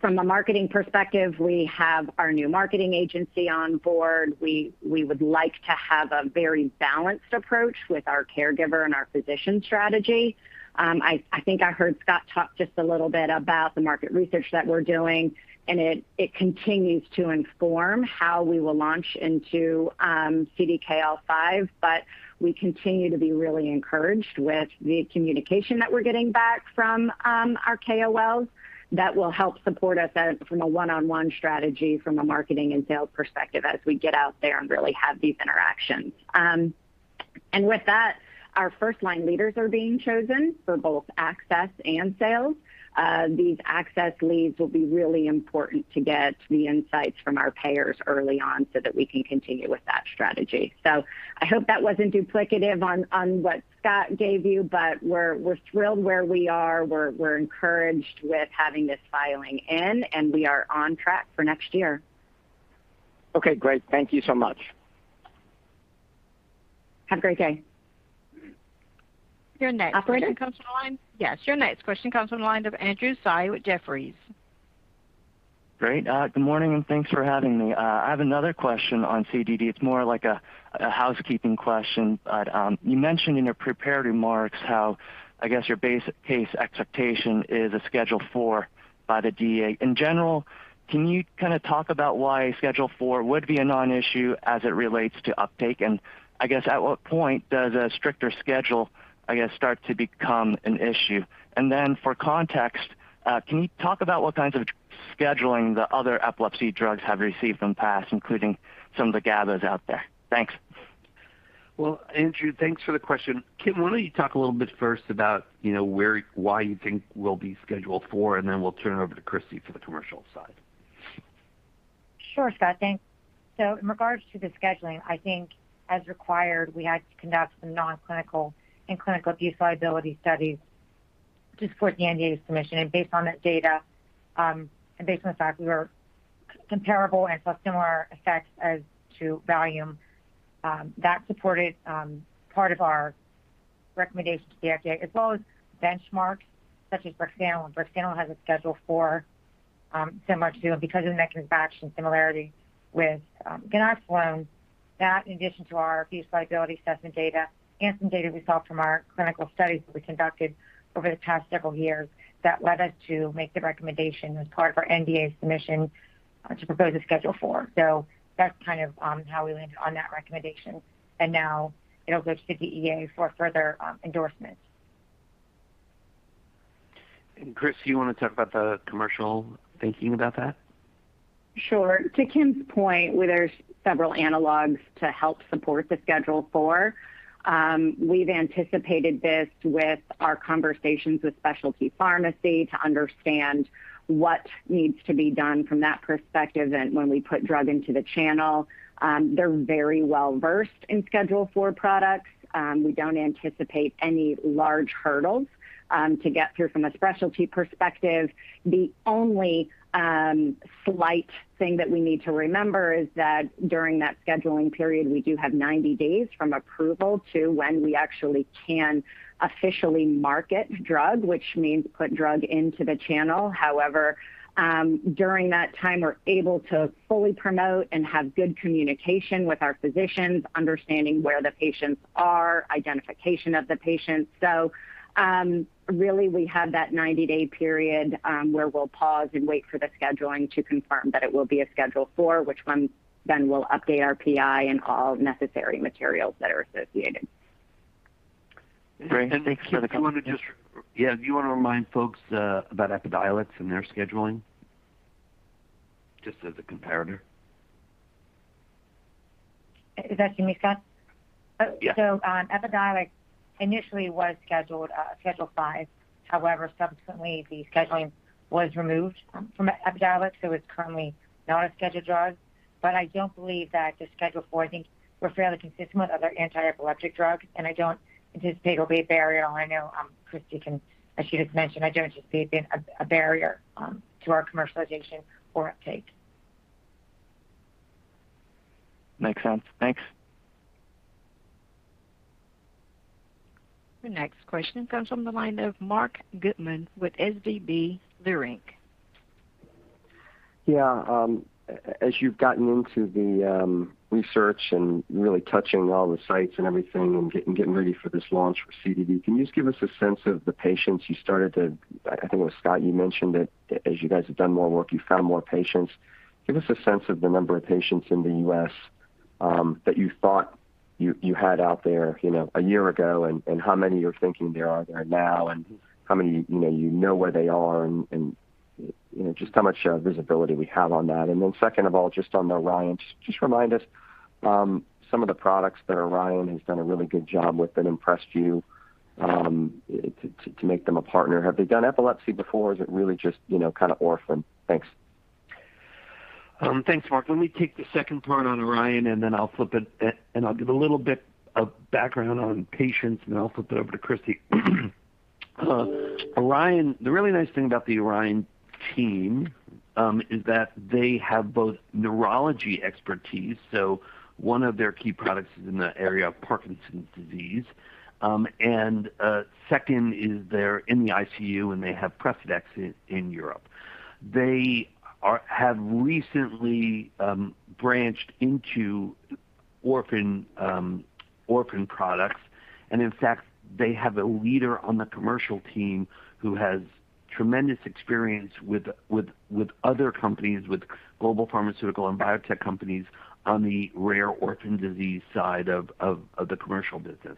From a marketing perspective, we have our new marketing agency on board. We would like to have a very balanced approach with our caregiver and our physician strategy. I think I heard Scott talk just a little bit about the market research that we're doing. It continues to inform how we will launch into CDKL5. We continue to be really encouraged with the communication that we're getting back from our KOLs that will help support us from a one-on-one strategy from a marketing and sales perspective as we get out there and really have these interactions. With that, our first-line leaders are being chosen for both access and sales. These access leads will be really important to get the insights from our payers early on so that we can continue with that strategy. I hope that wasn't duplicative on what Scott gave you, but we're thrilled where we are. We're encouraged with having this filing in, and we are on track for next year. Okay, great. Thank you so much. Have a great day. Your next- Operator? Question comes from the line. Yes, your next question comes from the line of Andrew Tsai with Jefferies. Great. Good morning, thanks for having me. I have another question on CDD. It's more like a housekeeping question. You mentioned in your prepared remarks how, I guess, your base case expectation is a Schedule IV by the DEA. In general, can you talk about why a Schedule IV would be a non-issue as it relates to uptake? I guess at what point does a stricter schedule, I guess, start to become an issue? For context, can you talk about what kinds of scheduling the other epilepsy drugs have received in the past, including some of the GABAs out there? Thanks. Well, Andrew, thanks for the question. Kim, why don't you talk a little bit first about why you think we'll be Schedule IV, and then we'll turn it over to Christy for the commercial side. Sure, Scott. Thanks. In regards to the scheduling, I think as required, we had to conduct some non-clinical and clinical abuse liability studies to support the NDA submission. Based on that data, and based on the fact we were comparable and saw similar effects as to Valium, that supported part of our recommendation to the FDA, as well as benchmarks such as brexanolone. Brexanolone has a Schedule IV similar to them because of the mechanism of action similarity with ganaxolone. That, in addition to our abuse liability assessment data and some data we saw from our clinical studies that we conducted over the past several years, that led us to make the recommendation as part of our NDA submission to propose a Schedule IV. That's how we landed on that recommendation. Now it'll go to the DEA for further endorsement. Christy, you want to talk about the commercial thinking about that? Sure. To Kim's point, where there's several analogs to help support the Schedule IV. We've anticipated this with our conversations with specialty pharmacy to understand what needs to be done from that perspective. When we put drug into the channel, they're very well-versed in Schedule IV products. We don't anticipate any large hurdles to get through from a specialty perspective. The only slight thing that we need to remember is that during that scheduling period, we do have 90 days from approval to when we actually can officially market drug, which means put drug into the channel. During that time, we're able to fully promote and have good communication with our physicians, understanding where the patients are, identification of the patients. Really we have that 90-day period, where we'll pause and wait for the scheduling to confirm that it will be a Schedule IV, which one then we'll update our PI and all necessary materials that are associated. Great. Thanks for the- Kim, Yeah. Do you want to remind folks about EPIDIOLEX and their scheduling? Just as a comparator. Is that to me, Scott? Yeah. EPIDIOLEX initially was scheduled a Schedule V. However, subsequently, the scheduling was removed from EPIDIOLEX, so it's currently not a scheduled drug. I don't believe that the Schedule IV, I think we're fairly consistent with other anti-epileptic drugs, and I don't anticipate it'll be a barrier. I know Christy can, as she just mentioned, I don't anticipate it being a barrier to our commercialization or uptake. Makes sense. Thanks. The next question comes from the line of Marc Goodman with SVB Leerink. Yeah. As you've gotten into the research and really touching all the sites and everything and getting ready for this launch for CDD, can you just give us a sense of the patients you started to I think it was Scott, you mentioned that as you guys have done more work, you've found more patients. Give us a sense of the number of patients in the U.S. that you thought you had out there a year ago and how many you're thinking there are there now, and how many you know where they are and just how much visibility we have on that. Second of all, just on Orion, just remind us some of the products that Orion has done a really good job with that impressed you to make them a partner. Have they done epilepsy before? Is it really just kind of orphan? Thanks. Thanks, Marc. Let me take the second part on Orion, and then I'll flip it. I'll give a little bit of background on patients, and then I'll flip it over to Christy. Orion, the really nice thing about the Orion team, is that they have both neurology expertise. One of their key products is in the area of Parkinson's disease. Second is they're in the ICU, and they have Precedex in Europe. They have recently branched into orphan products. In fact, they have a leader on the commercial team who has tremendous experience with other companies, with global pharmaceutical and biotech companies on the rare orphan disease side of the commercial business.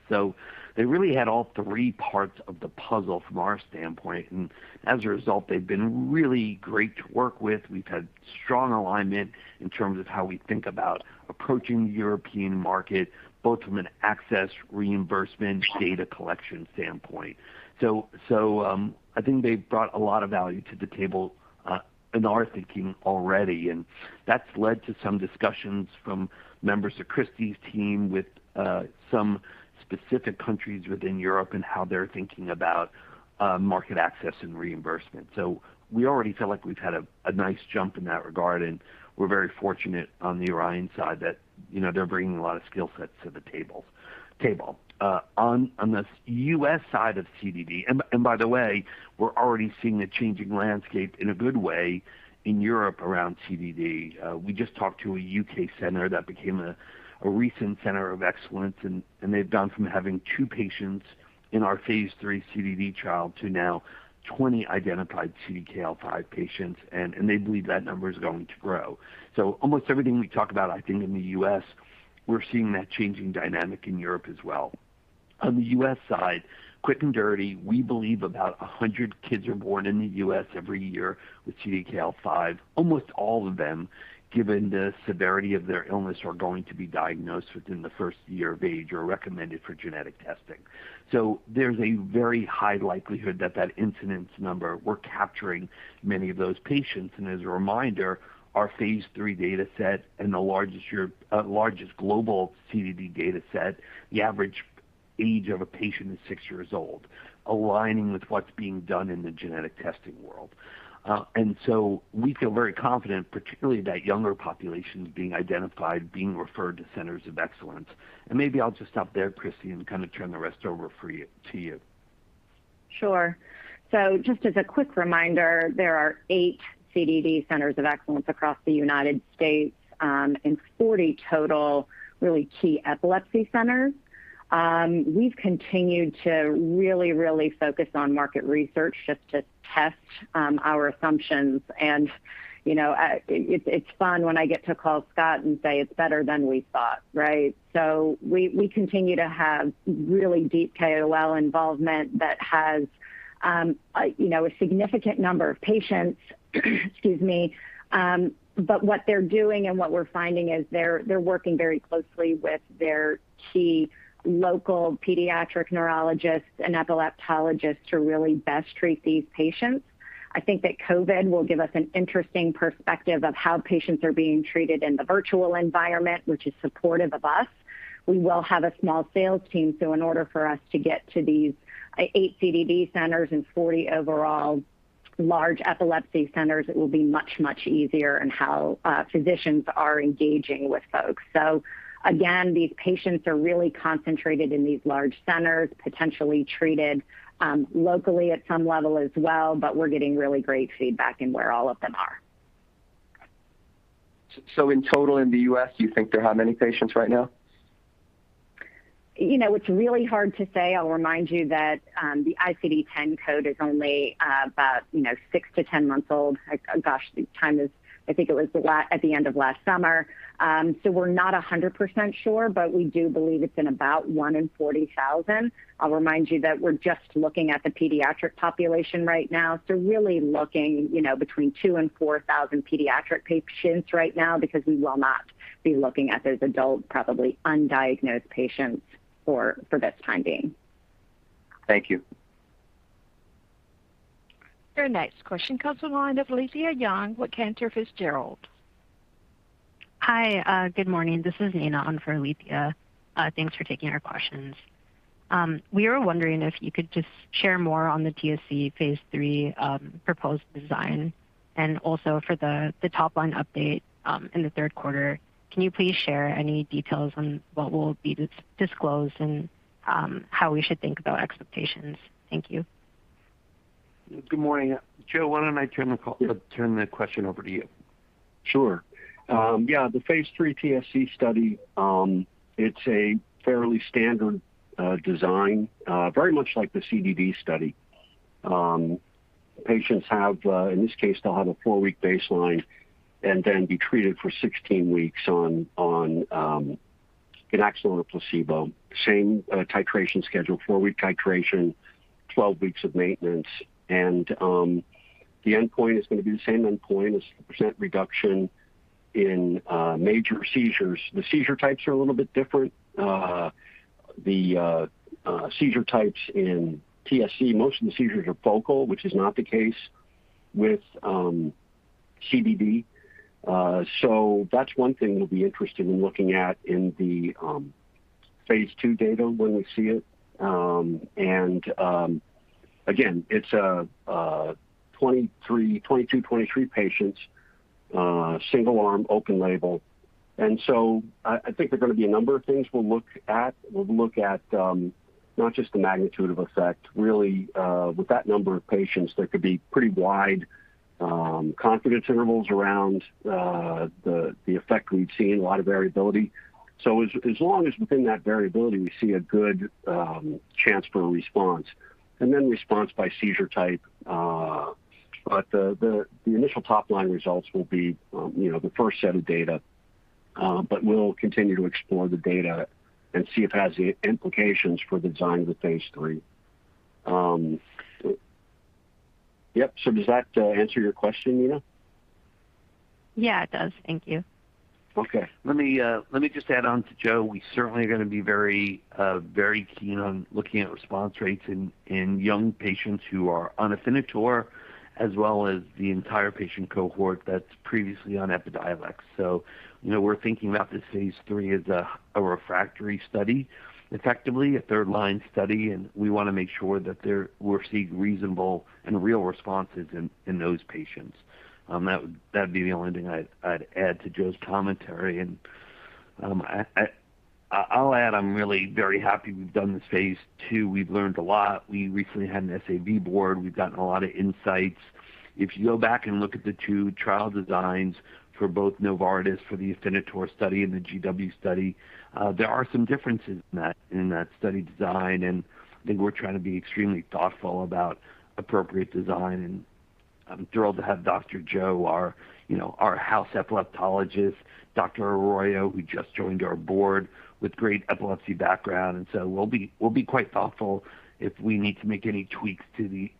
They really had all three parts of the puzzle from our standpoint. As a result, they've been really great to work with. We've had strong alignment in terms of how we think about approaching the European market, both from an access, reimbursement, data collection standpoint. I think they've brought a lot of value to the table in our thinking already, and that's led to some discussions from members of Christy's team with some specific countries within Europe and how they're thinking about market access and reimbursement. We already feel like we've had a nice jump in that regard, and we're very fortunate on the Orion side that they're bringing a lot of skill sets to the table. On the U.S. side of CDD, by the way, we're already seeing the changing landscape in a good way in Europe around CDD. We just talked to a U.K. center that became a recent center of excellence. They've gone from having 2 patients in our phase III CDD trial to now 20 identified CDKL5 patients. They believe that number is going to grow. Almost everything we talk about, I think in the U.S., we're seeing that changing dynamic in Europe as well. On the U.S. side, quick and dirty, we believe about 100 kids are born in the U.S. every year with CDKL5. Almost all of them, given the severity of their illness, are going to be diagnosed within the first year of age or recommended for genetic testing. There's a very high likelihood that that incidence number, we're capturing many of those patients. As a reminder, our phase III data set and the largest global CDD data set, the average age of a patient is 6 years old, aligning with what's being done in the genetic testing world. We feel very confident, particularly that younger populations being identified, being referred to centers of excellence. Maybe I'll just stop there, Christy, and turn the rest over to you. Just as a quick reminder, there are 8 CDD centers of excellence across the U.S., and 40 total really key epilepsy centers. We've continued to really focus on market research just to test our assumptions. It's fun when I get to call Scott and say, "It's better than we thought." Right? We continue to have really deep KOL involvement that has a significant number of patients. Excuse me. What they're doing and what we're finding is they're working very closely with their key local pediatric neurologists and epileptologists to really best treat these patients. I think that COVID will give us an interesting perspective of how patients are being treated in the virtual environment, which is supportive of us. We will have a small sales team. In order for us to get to these eight CDD centers and 40 overall large epilepsy centers, it will be much, much easier in how physicians are engaging with folks. Again, these patients are really concentrated in these large centers, potentially treated locally at some level as well, but we're getting really great feedback in where all of them are. In total in the U.S., do you think there are how many patients right now? It's really hard to say. I'll remind you that the ICD-10 code is only about six to 10 months old. Gosh, the time I think it was at the end of last summer. We're not 100% sure, but we do believe it's been about 1 in 40,000. I'll remind you that we're just looking at the pediatric population right now. Really looking between 2 and 4,000 pediatric patients right now because we will not be looking at those adult, probably undiagnosed patients for this time being. Thank you. Your next question comes on the line of Alethia Young with Cantor Fitzgerald. Hi. Good morning. This is Nina on for Alethia. Thanks for taking our questions. We were wondering if you could just share more on the TSC phase III proposed design. Also for the top-line update in the third quarter, can you please share any details on what will be disclosed and how we should think about expectations? Thank you. Good morning. Joe, why don't I turn the call. Yeah. Turn that question over to you? Sure. Yeah, the phase III TSC study, it's a fairly standard design. Very much like the CDD study. Patients have, in this case, they'll have a four-week baseline and then be treated for 16 weeks on an actual or placebo. Same titration schedule. Four-week titration, 12 weeks of maintenance. The endpoint is going to be the same endpoint. It's a percent reduction in major seizures. The seizure types are a little bit different. The seizure types in TSC, most of the seizures are focal, which is not the case with CDD. That's one thing we'll be interested in looking at in the phase II data when we see it. Again, it's a 22, 23 patients. Single arm, open label. I think there are going to be a number of things we'll look at. We'll look at not just the magnitude of effect. With that number of patients, there could be pretty wide confidence intervals around the effect we've seen. A lot of variability. As long as within that variability, we see a good chance for a response. Response by seizure type. The initial top-line results will be the first set of data, but we'll continue to explore the data and see if it has any implications for the design of the phase III. Yep. Does that answer your question, Nina? Yeah, it does. Thank you. Okay. Let me just add on to Joe. We certainly are going to be very keen on looking at response rates in young patients who are on Afinitor, as well as the entire patient cohort that's previously on EPIDIOLEX. We're thinking about this phase III as a refractory study, effectively a third-line study, and we want to make sure that we're seeing reasonable and real responses in those patients. That'd be the only thing I'd add to Joe's commentary. I'll add, I'm really very happy we've done this phase II. We've learned a lot. We recently had an SAB board. We've gotten a lot of insights. If you go back and look at the two trial designs for both Novartis for the Afinitor study and the GW study, there are some differences in that study design, and I think we're trying to be extremely thoughtful about appropriate design, and I'm thrilled to have Dr. Joe, our house epileptologist, Dr. Arroyo, who just joined our board with great epilepsy background, and so we'll be quite thoughtful if we need to make any tweaks to the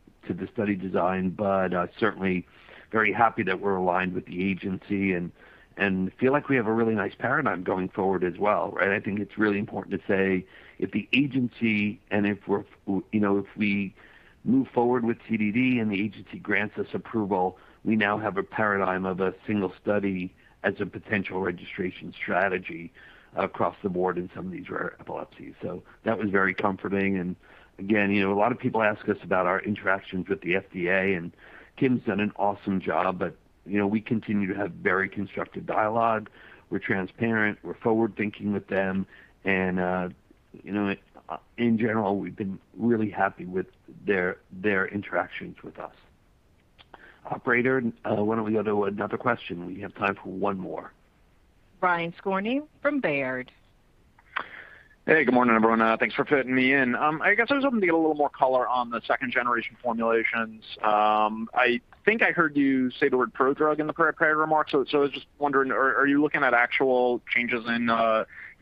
study design. Certainly very happy that we're aligned with the agency and feel like we have a really nice paradigm going forward as well. Right, I think it's really important to say if the agency and if we move forward with CDD and the agency grants us approval, we now have a paradigm of a single study as a potential registration strategy across the board in some of these rare epilepsies. That was very comforting. Again, a lot of people ask us about our interactions with the FDA. Kim's done an awesome job, but we continue to have very constructive dialogue. We're transparent, we're forward-thinking with them. In general, we've been really happy with their interactions with us. Operator, why don't we go to another question? We have time for one more. Brian Skorney from Baird. Hey, good morning, everyone. Thanks for fitting me in. I guess I was hoping to get a little more color on the 2nd-generation formulations. I think I heard you say the word prodrug in the prepared remarks. I was just wondering, are you looking at actual changes in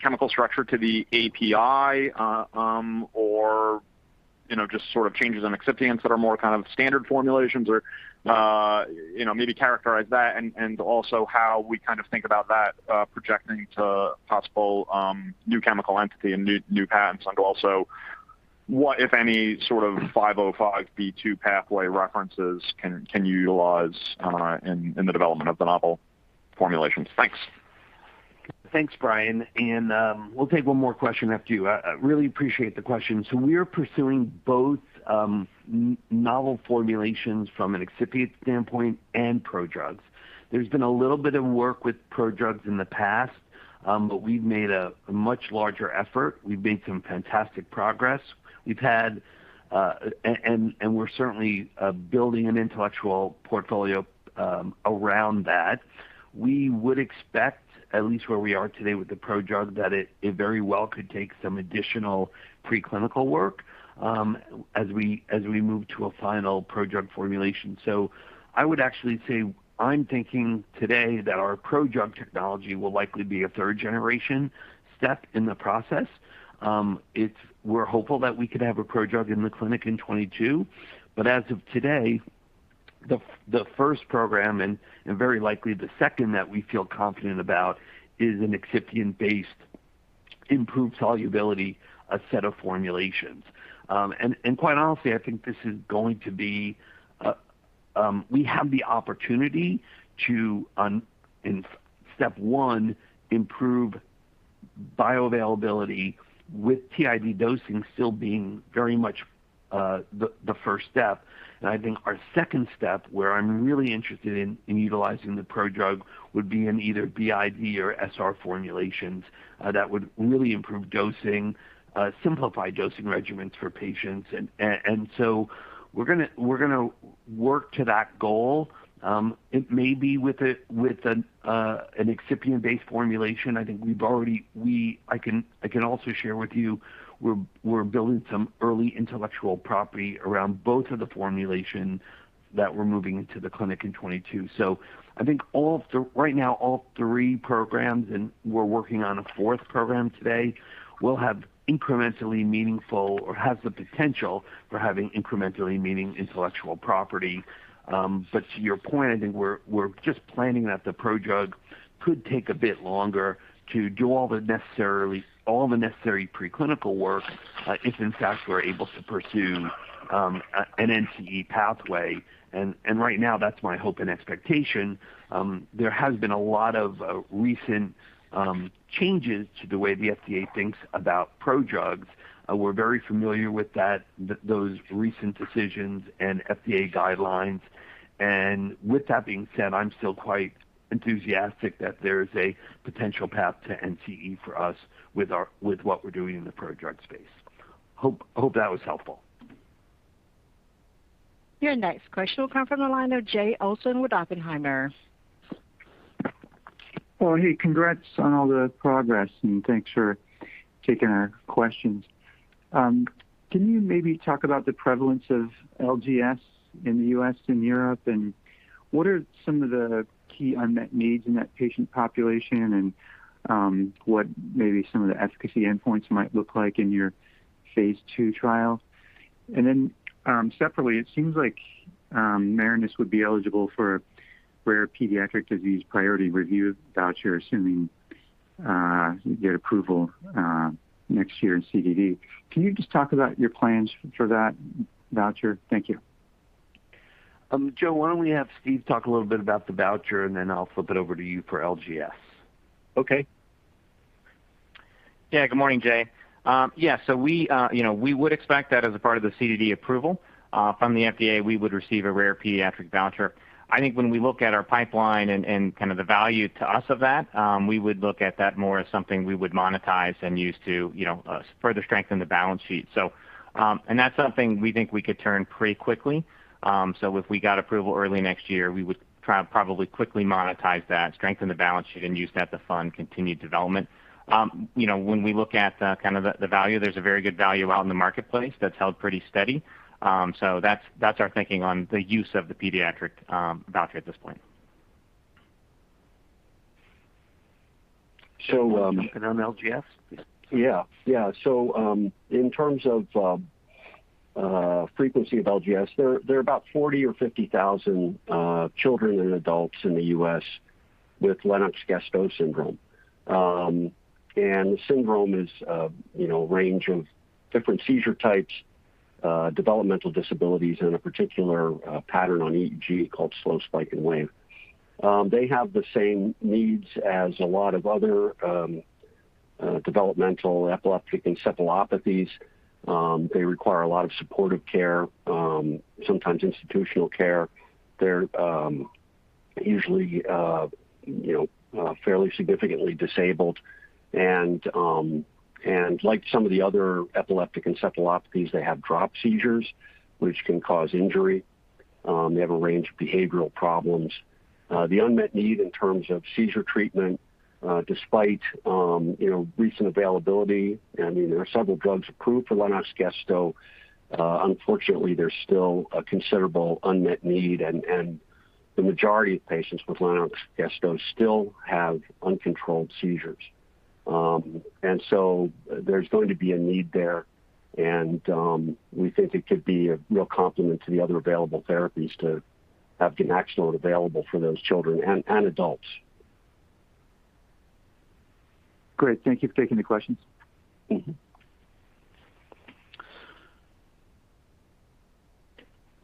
chemical structure to the API? Just sort of changes in excipients that are more kind of standard formulations or maybe characterize that and also how we kind of think about that projecting to possible new chemical entity and new patents and also what, if any, sort of 505(b)(2) pathway references can you utilize in the development of the novel formulations? Thanks. Thanks, Brian. We'll take one more question after you. I really appreciate the question. We are pursuing both novel formulations from an excipient standpoint and prodrugs. There's been a little bit of work with prodrugs in the past, but we've made a much larger effort. We've made some fantastic progress. We're certainly building an intellectual portfolio around that. We would expect, at least where we are today with the prodrug, that it very well could take some additional pre-clinical work as we move to a final prodrug formulation. I would actually say I'm thinking today that our prodrug technology will likely be a third-generation step in the process. We're hopeful that we could have a prodrug in the clinic in 2022. As of today, the first program and very likely the second that we feel confident about is an excipient-based improved solubility set of formulations. Quite honestly, I think this is going to be. We have the opportunity to, in step 1, improve bioavailability with TID dosing still being very much the first step. I think our second step, where I'm really interested in utilizing the prodrug, would be in either BID or SR formulations that would really improve dosing, simplify dosing regimens for patients. We're going to work to that goal. It may be with an excipient-based formulation. I can also share with you, we're building some early intellectual property around both of the formulation that we're moving into the clinic in 2022. I think right now, all three programs, and we're working on a fourth program today, will have incrementally meaningful or have the potential for having incrementally meaning intellectual property. To your point, I think we're just planning that the prodrug could take a bit longer to do all the necessary pre-clinical work, if in fact, we're able to pursue an NCE pathway. Right now, that's my hope and expectation. There has been a lot of recent changes to the way the FDA thinks about prodrugs. We're very familiar with those recent decisions and FDA guidelines. With that being said, I'm still quite enthusiastic that there is a potential path to NCE for us with what we're doing in the prodrug space. Hope that was helpful. Your next question will come from the line of Jay Olson with Oppenheimer. Well, hey. Congrats on all the progress, and thanks for taking our questions. Can you maybe talk about the prevalence of LGS in the U.S. and Europe, and what are some of the key unmet needs in that patient population, and what maybe some of the efficacy endpoints might look like in your phase II trial? Separately, it seems like Marinus would be eligible for a rare pediatric disease priority review voucher, assuming you get approval next year in CDD. Can you just talk about your plans for that voucher? Thank you. Joe, why don't we have Steve talk a little bit about the voucher, and then I'll flip it over to you for LGS. Okay. Yeah. Good morning, Jay. Yeah, we would expect that as a part of the CDD approval. From the FDA, we would receive a rare pediatric voucher. I think when we look at our pipeline and the value to us of that, we would look at that more as something we would monetize and use to further strengthen the balance sheet. That's something we think we could turn pretty quickly. If we got approval early next year, we would probably quickly monetize that, strengthen the balance sheet, and use that to fund continued development. When we look at the value, there's a very good value out in the marketplace that's held pretty steady. That's our thinking on the use of the pediatric voucher at this point. So- On LGS? Yeah. In terms of frequency of LGS, there are about 40,000 or 50,000 children and adults in the U.S. with Lennox-Gastaut syndrome. The syndrome is a range of different seizure types, developmental disabilities, and a particular pattern on EEG called slow spike and wave. They have the same needs as a lot of other developmental epileptic encephalopathies. They require a lot of supportive care, sometimes institutional care. They're usually fairly significantly disabled. Like some of the other epileptic encephalopathies, they have drop seizures, which can cause injury. They have a range of behavioral problems. The unmet need in terms of seizure treatment despite recent availability, there are several drugs approved for Lennox-Gastaut. Unfortunately, there's still a considerable unmet need, and the majority of patients with Lennox-Gastaut still have uncontrolled seizures. There's going to be a need there, and we think it could be a real complement to the other available therapies to have ganaxolone available for those children and adults. Great. Thank you for taking the questions.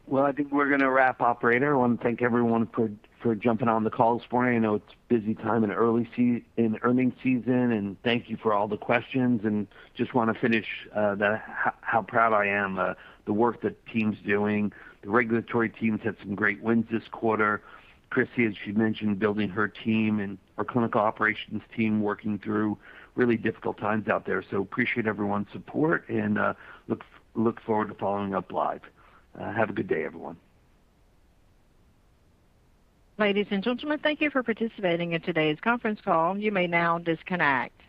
Well, I think we're going to wrap, operator. I want to thank everyone for jumping on the call this morning. I know it's a busy time in earnings season, and thank you for all the questions. Just want to finish how proud I am of the work that the team's doing. The regulatory teams had some great wins this quarter. Christy, as she mentioned, building her team and our clinical operations team working through really difficult times out there. Appreciate everyone's support and look forward to following up live. Have a good day, everyone. Ladies and gentlemen, thank you for participating in today's conference call. You may now disconnect.